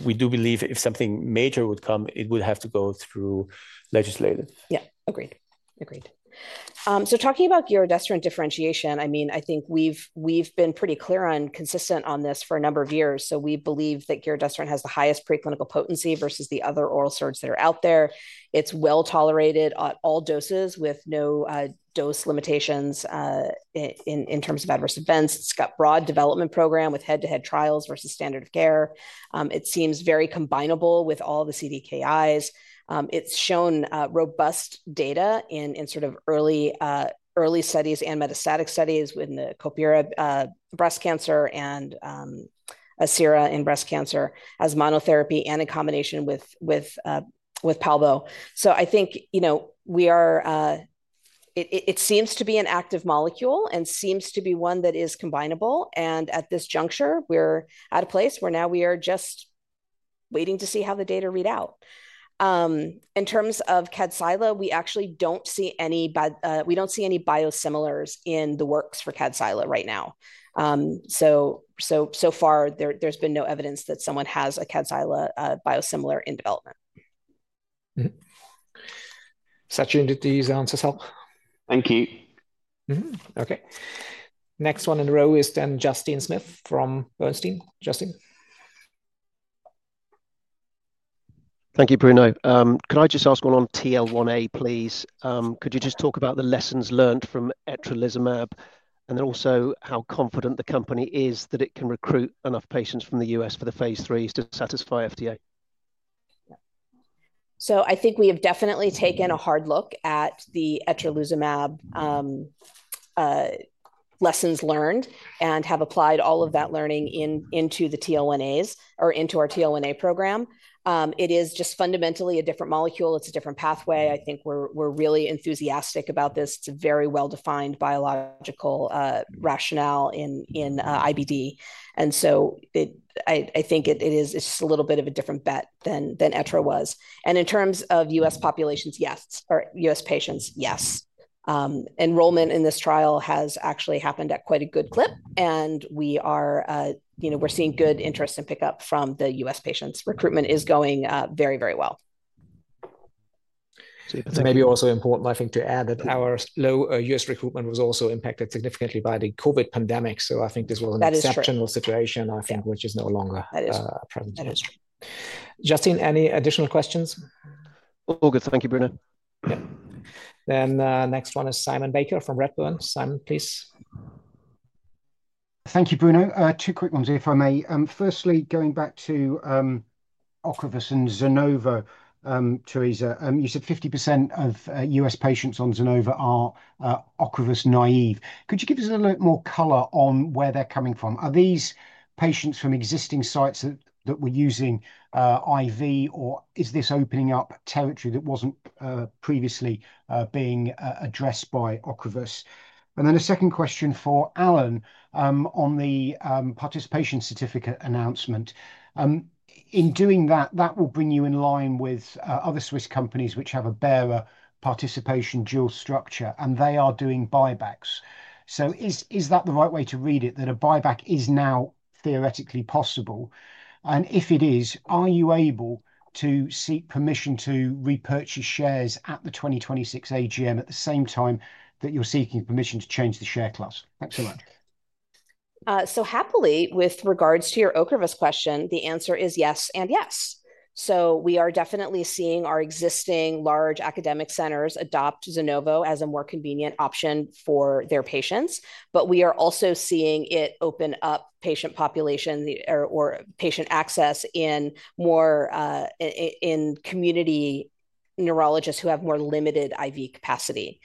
We do believe if something major would come, it would have to go through legislators. Yeah. Agreed. Agreed. Talking about giredestrant differentiation, I mean, I think we've been pretty clear and consistent on this for a number of years. We believe that giredestrant has the highest preclinical potency versus the other oral CERDs that are out there. It's well tolerated at all doses with no dose limitations in terms of adverse events. It's got a broad development program with head-to-head trials versus standard of care. It seems very combinable with all the CDKIs. It's shown robust data in sort of early studies and metastatic studies within the Kohpira breast cancer and Asera in breast cancer as monotherapy and in combination with palbo.I think it seems to be an active molecule and seems to be one that is combinable. At this juncture, we're at a place where now we are just waiting to see how the data read out. In terms of Kadcyla, we actually do not see any biosimilars in the works for Kadcyla right now. So far, there has been no evidence that someone has a Kadcyla biosimilar in development. Sachin, did these answers help? Thank you. Okay. Next one in the row is then Justin Smith from Bernstein. Justin. Thank you, Bruno. Can I just ask one on TL1A, please? Could you just talk about the lessons learned from Satralizumab and then also how confident the company is that it can recruit enough patients from the U.S. for the phase three to satisfy FDA? I think we have definitely taken a hard look at the satralizumab lessons learned and have applied all of that learning into the TL 1As or into our TL 1A program. It is just fundamentally a different molecule. It's a different pathway. I think we're really enthusiastic about this. It's a very well-defined biological rationale in IBD. I think it is just a little bit of a different bet than Etra was. In terms of U.S. populations, yes, or U.S. patients, yes. Enrollment in this trial has actually happened at quite a good clip. We're seeing good interest and pickup from the U.S. patients. Recruitment is going very, very well. Maybe also important, I think, to add that our U.S. recruitment was also impacted significantly by the COVID pandemic. I think this was an exceptional situation, I think, which is no longer present. That is true. Justin, any additional questions? All good. Thank you, Bruno. Yeah. Next one is Simon Baker from Redburn. Simon, please. Thank you, Bruno. Two quick ones, if I may. Firstly, going back to Ocrevus and Zunovo, Teresa, you said 50% of U.S. patients on Zunovo are Ocrevus naive. Could you give us a little bit more color on where they're coming from? Are these patients from existing sites that were using IV, or is this opening up territory that was not previously being addressed by Ocrevus? A second question for Alan on the participation certificate announcement. In doing that, that will bring you in line with other Swiss companies which have a bearer participation dual structure, and they are doing buybacks. Is that the right way to read it, that a buyback is now theoretically possible? If it is, are you able to seek permission to repurchase shares at the 2026 AGM at the same time that you're seeking permission to change the share class? Thanks so much. Happily, with regards to your Ocrevus question, the answer is yes and yes. We are definitely seeing our existing large academic centers adopt Ocrevus subcutaneous as a more convenient option for their patients. We are also seeing it open up patient population or patient access in community neurologists who have more limited IV capacity.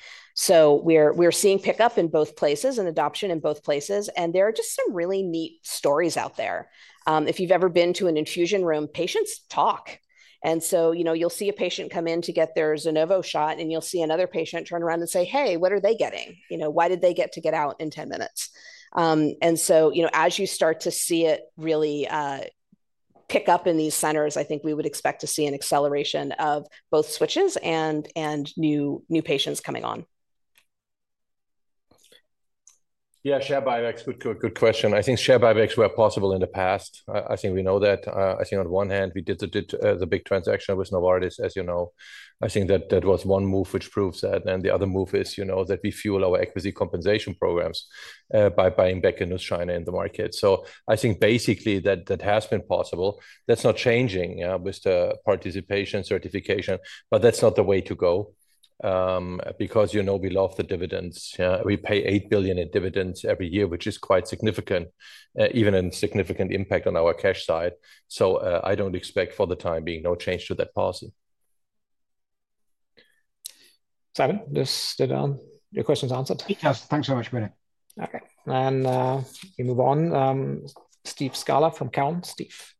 We are seeing pickup in both places and adoption in both places. There are just some really neat stories out there. If you've ever been to an infusion room, patients talk. You'll see a patient come in to get their Ocrevus subcutaneous shot, and you'll see another patient turn around and say, "Hey, what are they getting? Why did they get to get out in 10 minutes?" As you start to see it really pick up in these centers, I think we would expect to see an acceleration of both switches and new patients coming on. Yeah, share buybacks would be a good question. I think share buybacks were possible in the past. I think we know that. I think on one hand, we did the big transaction with Novartis, as you know. I think that that was one move which proves that. And the other move is that we fuel our equity compensation programs by buying back into China in the market. I think basically that has been possible. That's not changing with the participation certification, but that's not the way to go because we love the dividends. We pay 8 billion in dividends every year, which is quite significant, even a significant impact on our cash side. I don't expect for the time being no change to that policy. Simon, your question's answered. Thanks so much, Bruno. Okay. We move on. Steve Scala from Cowen. Steve.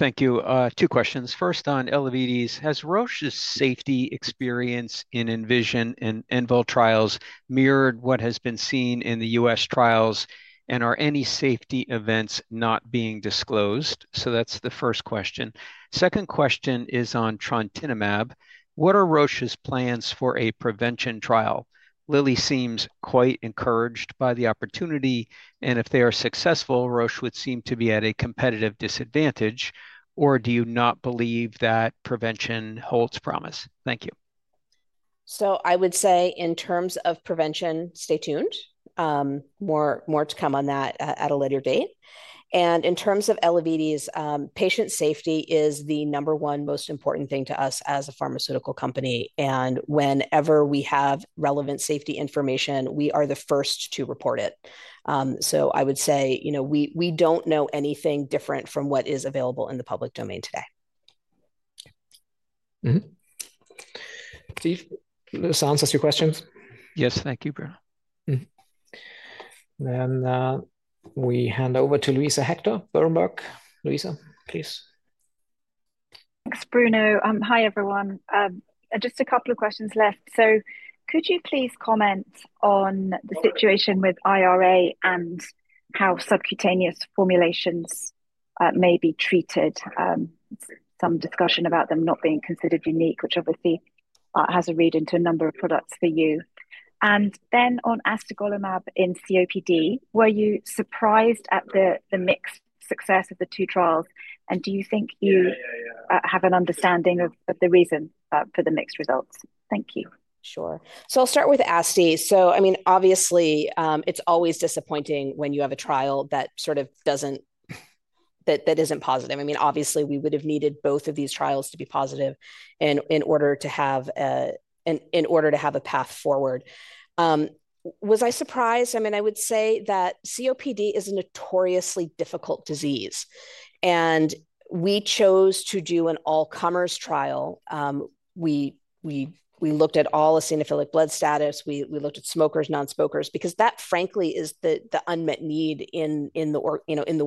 Thank you. Two questions. First on LOEs, has Roche's safety experience in ENVISION and ENVOL trials mirrored what has been seen in the U.S. trials, and are any safety events not being disclosed? That is the first question. Second question is on trontinemab. What are Roche's plans for a prevention trial? Lilly seems quite encouraged by the opportunity. If they are successful, Roche would seem to be at a competitive disadvantage, or do you not believe that prevention holds promise? Thank you. I would say in terms of prevention, stay tuned. More to come on that at a later date. In terms of LOEs, patient safety is the number one most important thing to us as a pharmaceutical company. Whenever we have relevant safety information, we are the first to report it. I would say we do not know anything different from what is available in the public domain today. Steve, those answers to your questions? Yes, thank you, Bruno. We hand over to Luisa Hector, Berenberg. Luisa, please. Thanks, Bruno. Hi, everyone. Just a couple of questions left. Could you please comment on the situation with IRA and how subcutaneous formulations may be treated? There is some discussion about them not being considered unique, which obviously has a read into a number of products for you. On astegolimab in COPD, were you surprised at the mixed success of the two trials? Do you think you have an understanding of the reason for the mixed results? Thank you. Sure. I'll start with astegolimab. I mean, obviously, it's always disappointing when you have a trial that sort of doesn't, that isn't positive. I mean, obviously, we would have needed both of these trials to be positive in order to have a path forward. Was I surprised? I mean, I would say that COPD is a notoriously difficult disease. We chose to do an all-comers trial. We looked at all eosinophilic blood status. We looked at smokers, non-smokers, because that, frankly, is the unmet need in the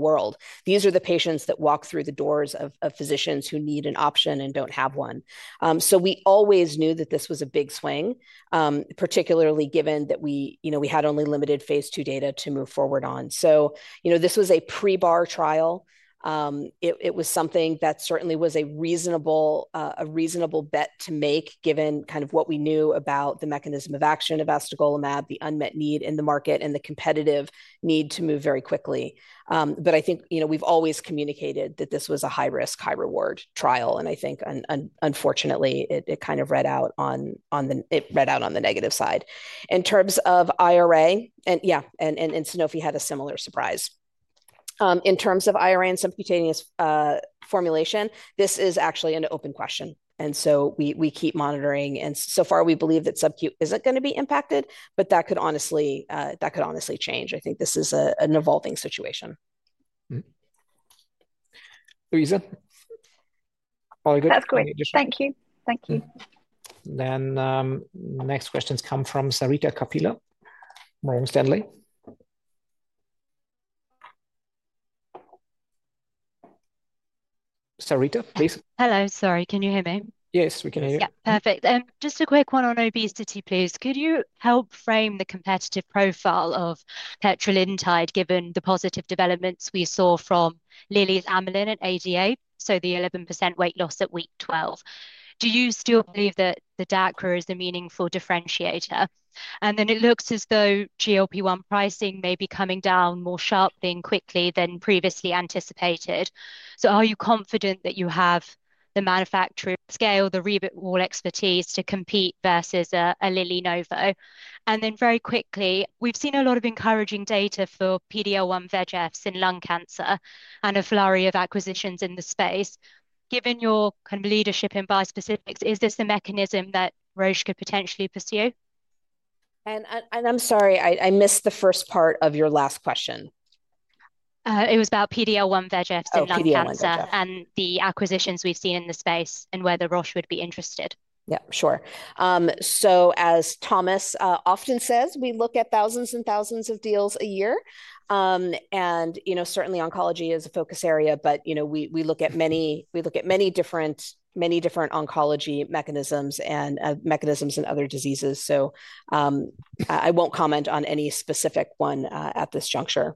world. These are the patients that walk through the doors of physicians who need an option and don't have one. We always knew that this was a big swing, particularly given that we had only limited phase two data to move forward on. This was a pre-bar trial. It was something that certainly was a reasonable bet to make given kind of what we knew about the mechanism of action of astegolimab, the unmet need in the market, and the competitive need to move very quickly. I think we've always communicated that this was a high-risk, high-reward trial. I think, unfortunately, it kind of read out on the negative side. In terms of IRA, and yeah, and Sanofi had a similar surprise. In terms of IRA and subcutaneous formulation, this is actually an open question. We keep monitoring. So far, we believe that subcu isn't going to be impacted, but that could honestly change. I think this is an evolving situation. Luisa. All good? That's great. Thank you. Thank you. The next questions come from Sarita Kapila, Morgan Stanley. Sarita, please. Hello. Sorry. Can you hear me? Yes, we can hear you. Yeah. Perfect. And just a quick one on obesity, please. Could you help frame the competitive profile of petrelintide given the positive developments we saw from Lilly's Amylin at ADA, so the 11% weight loss at week 12? Do you still believe that the DACRA is a meaningful differentiator? It looks as though GLP-1 pricing may be coming down more sharply and quickly than previously anticipated. Are you confident that you have the manufacturer scale, the reboot wall expertise to compete versus a Lilly Novo? Very quickly, we've seen a lot of encouraging data for PD-L1 VEGFs in lung cancer and a flurry of acquisitions in the space. Given your kind of leadership in biospecifics, is this a mechanism that Roche could potentially pursue? I'm sorry, I missed the first part of your last question. It was about PD-L1 VEGFs in lung cancer and the acquisitions we've seen in the space and where Roche would be interested. Yeah, sure. As Thomas often says, we look at thousands and thousands of deals a year. Certainly, oncology is a focus area, but we look at many different oncology mechanisms and mechanisms in other diseases. I will not comment on any specific one at this juncture.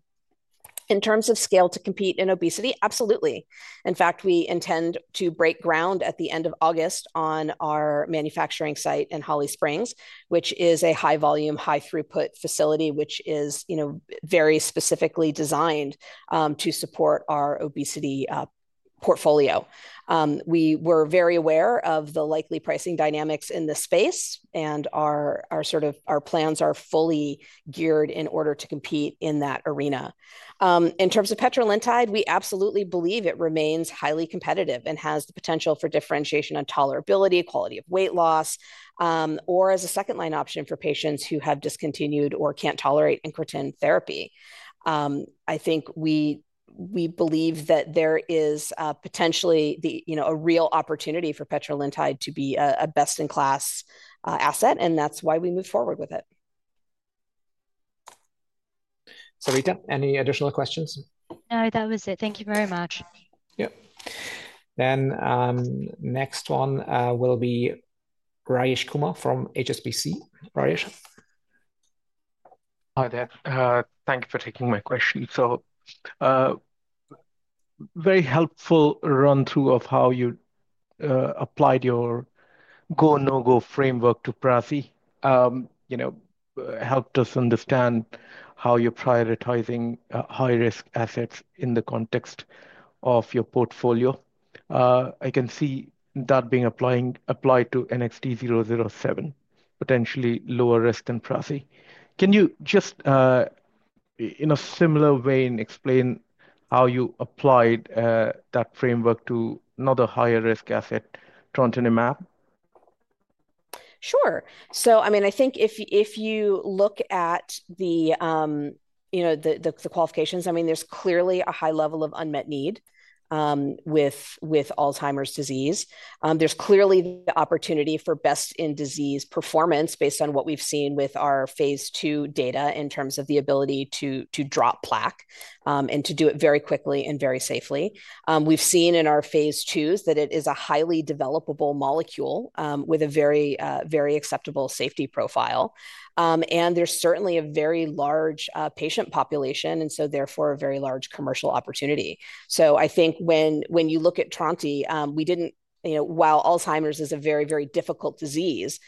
In terms of scale to compete in obesity, absolutely. In fact, we intend to break ground at the end of August on our manufacturing site in Holly Springs, which is a high-volume, high-throughput facility, which is very specifically designed to support our obesity portfolio. We were very aware of the likely pricing dynamics in the space, and our plans are fully geared in order to compete in that arena. In terms of petrelintide, we absolutely believe it remains highly competitive and has the potential for differentiation on tolerability, quality of weight loss, or as a second-line option for patients who have discontinued or can't tolerate incretin therapy. I think we believe that there is potentially a real opportunity for petrelintide to be a best-in-class asset, and that's why we move forward with it. Sarita, any additional questions? No, that was it. Thank you very much. Yeah. Next one will be Harish Kumar from HSBC. Harish. Hi there. Thank you for taking my question. So very helpful run-through of how you applied your go/no-go framework to prasi helped us understand how you're prioritizing high-risk assets in the context of your portfolio. I can see that being applied to NXT007, potentially lower risk than prasi. Can you just, in a similar vein, explain how you applied that framework to another higher-risk asset, trontinemab? Sure. I mean, I think if you look at the qualifications, I mean, there's clearly a high level of unmet need with Alzheimer's disease. There's clearly the opportunity for best-in-disease performance based on what we've seen with our phase two data in terms of the ability to drop plaque and to do it very quickly and very safely. We've seen in our phase twos that it is a highly developable molecule with a very acceptable safety profile. There's certainly a very large patient population and, therefore, a very large commercial opportunity. I think when you look at tronti, while Alzheimer's is a very, very difficult disease,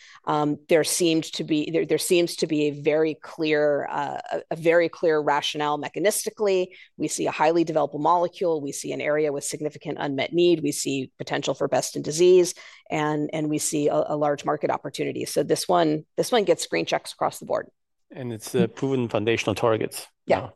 there seems to be a very clear rationale mechanistically. We see a highly developable molecule. We see an area with significant unmet need. We see potential for best-in-disease, and we see a large market opportunity. This one gets screen checks across the board. It is proven foundational targets. Yeah.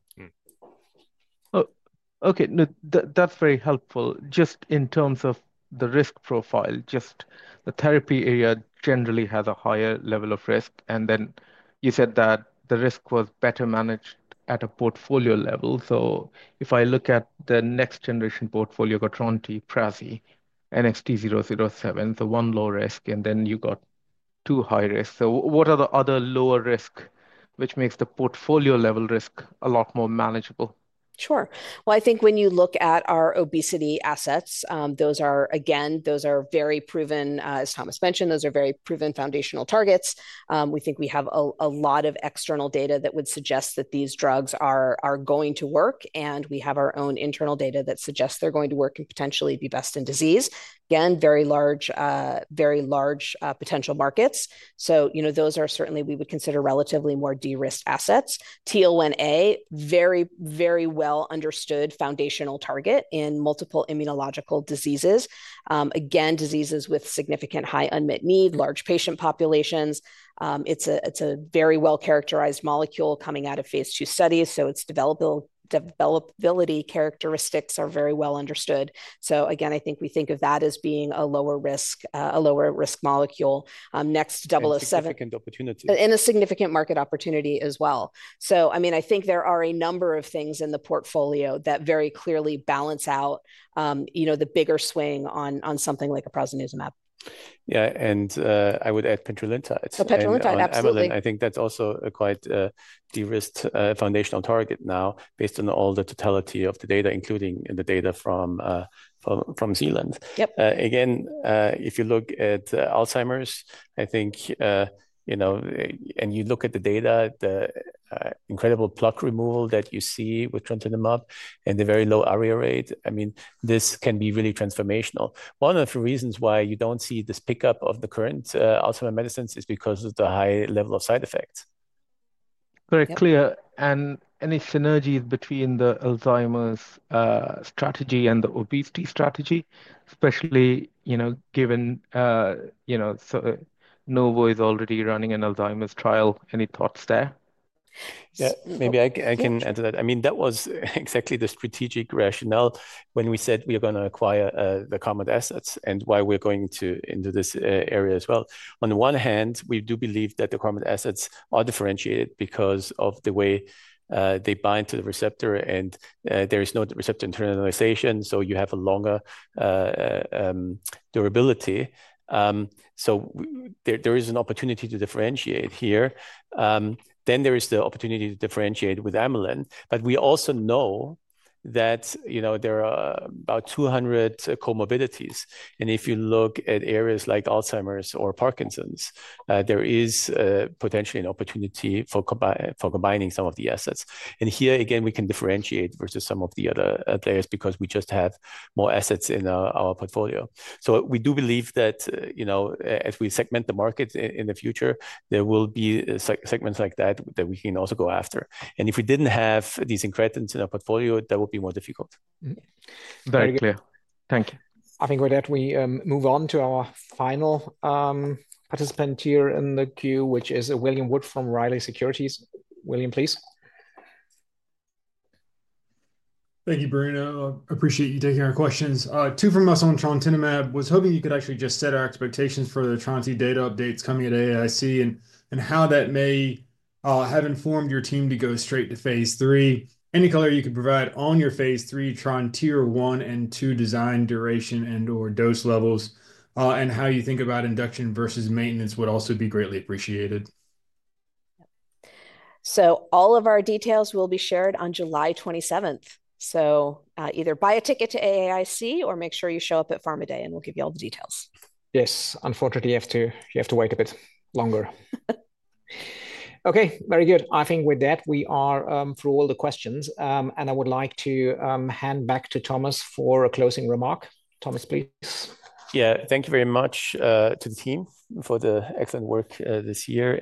Okay. That's very helpful. Just in terms of the risk profile, just the therapy area generally has a higher level of risk. And then you said that the risk was better managed at a portfolio level. If I look at the next-generation portfolio, you got tronti, prasi, NXT007, the one low risk, and then you got two high risk. What are the other lower risk which makes the portfolio-level risk a lot more manageable? Sure. I think when you look at our obesity assets, again, those are very proven, as Thomas mentioned, those are very proven foundational targets. We think we have a lot of external data that would suggest that these drugs are going to work, and we have our own internal data that suggests they're going to work and potentially be best in disease. Again, very large potential markets. Those are certainly, we would consider, relatively more de-risked assets. TL1A, very, very well-understood foundational target in multiple immunological diseases. Again, diseases with significant high unmet need, large patient populations. It's a very well-characterized molecule coming out of phase two studies, so its developability characteristics are very well understood. Again, I think we think of that as being a lower-risk molecule. NXT007. A significant opportunity. A significant market opportunity as well. I mean, I think there are a number of things in the portfolio that very clearly balance out the bigger swing on something like a prasinezumab. Yeah. And I would add petrelintide. Oh, petrelintide, absolutely. I think that's also a quite de-risked foundational target now based on all the totality of the data, including the data from Zealand. Yep. Again, if you look at Alzheimer's, I think, and you look at the data, the incredible plaque removal that you see with trontinemab and the very low ARIA rate, I mean, this can be really transformational. One of the reasons why you don't see this pickup of the current Alzheimer's medicines is because of the high level of side effects. Very clear. Any synergy between the Alzheimer's strategy and the obesity strategy, especially given Novo is already running an Alzheimer's trial? Any thoughts there? Yeah, maybe I can add to that. I mean, that was exactly the strategic rationale when we said we are going to acquire the Carmot assets and why we're going into this area as well. On the one hand, we do believe that the Carmot assets are differentiated because of the way they bind to the receptor, and there is no receptor internalization, so you have a longer durability. There is an opportunity to differentiate here. There is the opportunity to differentiate with Amylin. We also know that there are about 200 comorbidities. If you look at areas like Alzheimer's or Parkinson's, there is potentially an opportunity for combining some of the assets. Here, again, we can differentiate versus some of the other players because we just have more assets in our portfolio. We do believe that as we segment the market in the future, there will be segments like that that we can also go after. If we did not have these incretins in our portfolio, that would be more difficult. Very clear. Thank you. I think with that, we move on to our final participant here in the queue, which is William Wood from Riley Securities. William, please. Thank you, Bruno. Appreciate you taking our questions. Two from us on trontinemab. I was hoping you could actually just set our expectations for the tronti data updates coming at AAIC and how that may have informed your team to go straight to phase three. Any color you could provide on your phase three tronti one and two design duration and/or dose levels and how you think about induction versus maintenance would also be greatly appreciated. All of our details will be shared on July 27th. Either buy a ticket to AAIC or make sure you show up at PharmaDay, and we'll give you all the details. Yes. Unfortunately, you have to wait a bit longer. Okay. Very good. I think with that, we are through all the questions. I would like to hand back to Thomas for a closing remark. Thomas, please. Yeah. Thank you very much to the team for the excellent work this year.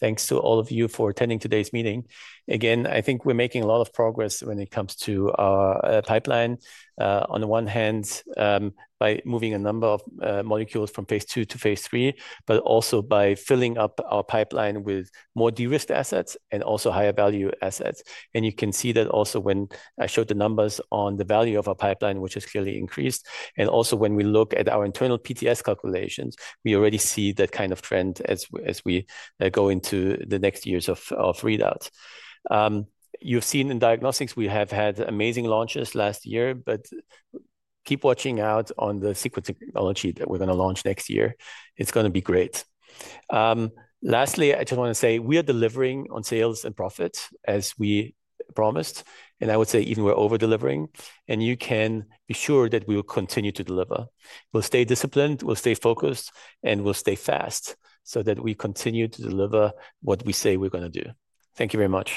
Thank you to all of you for attending today's meeting. Again, I think we're making a lot of progress when it comes to our pipeline. On the one hand, by moving a number of molecules from phase two to phase three, but also by filling up our pipeline with more de-risked assets and also higher value assets. You can see that also when I showed the numbers on the value of our pipeline, which has clearly increased. Also, when we look at our internal PTS calculations, we already see that kind of trend as we go into the next years of readouts. You've seen in diagnostics, we have had amazing launches last year, but keep watching out on the secret technology that we're going to launch next year. It's going to be great. Lastly, I just want to say we are delivering on sales and profits as we promised. I would say even we're over-delivering. You can be sure that we will continue to deliver. We'll stay disciplined, we'll stay focused, and we'll stay fast so that we continue to deliver what we say we're going to do. Thank you very much.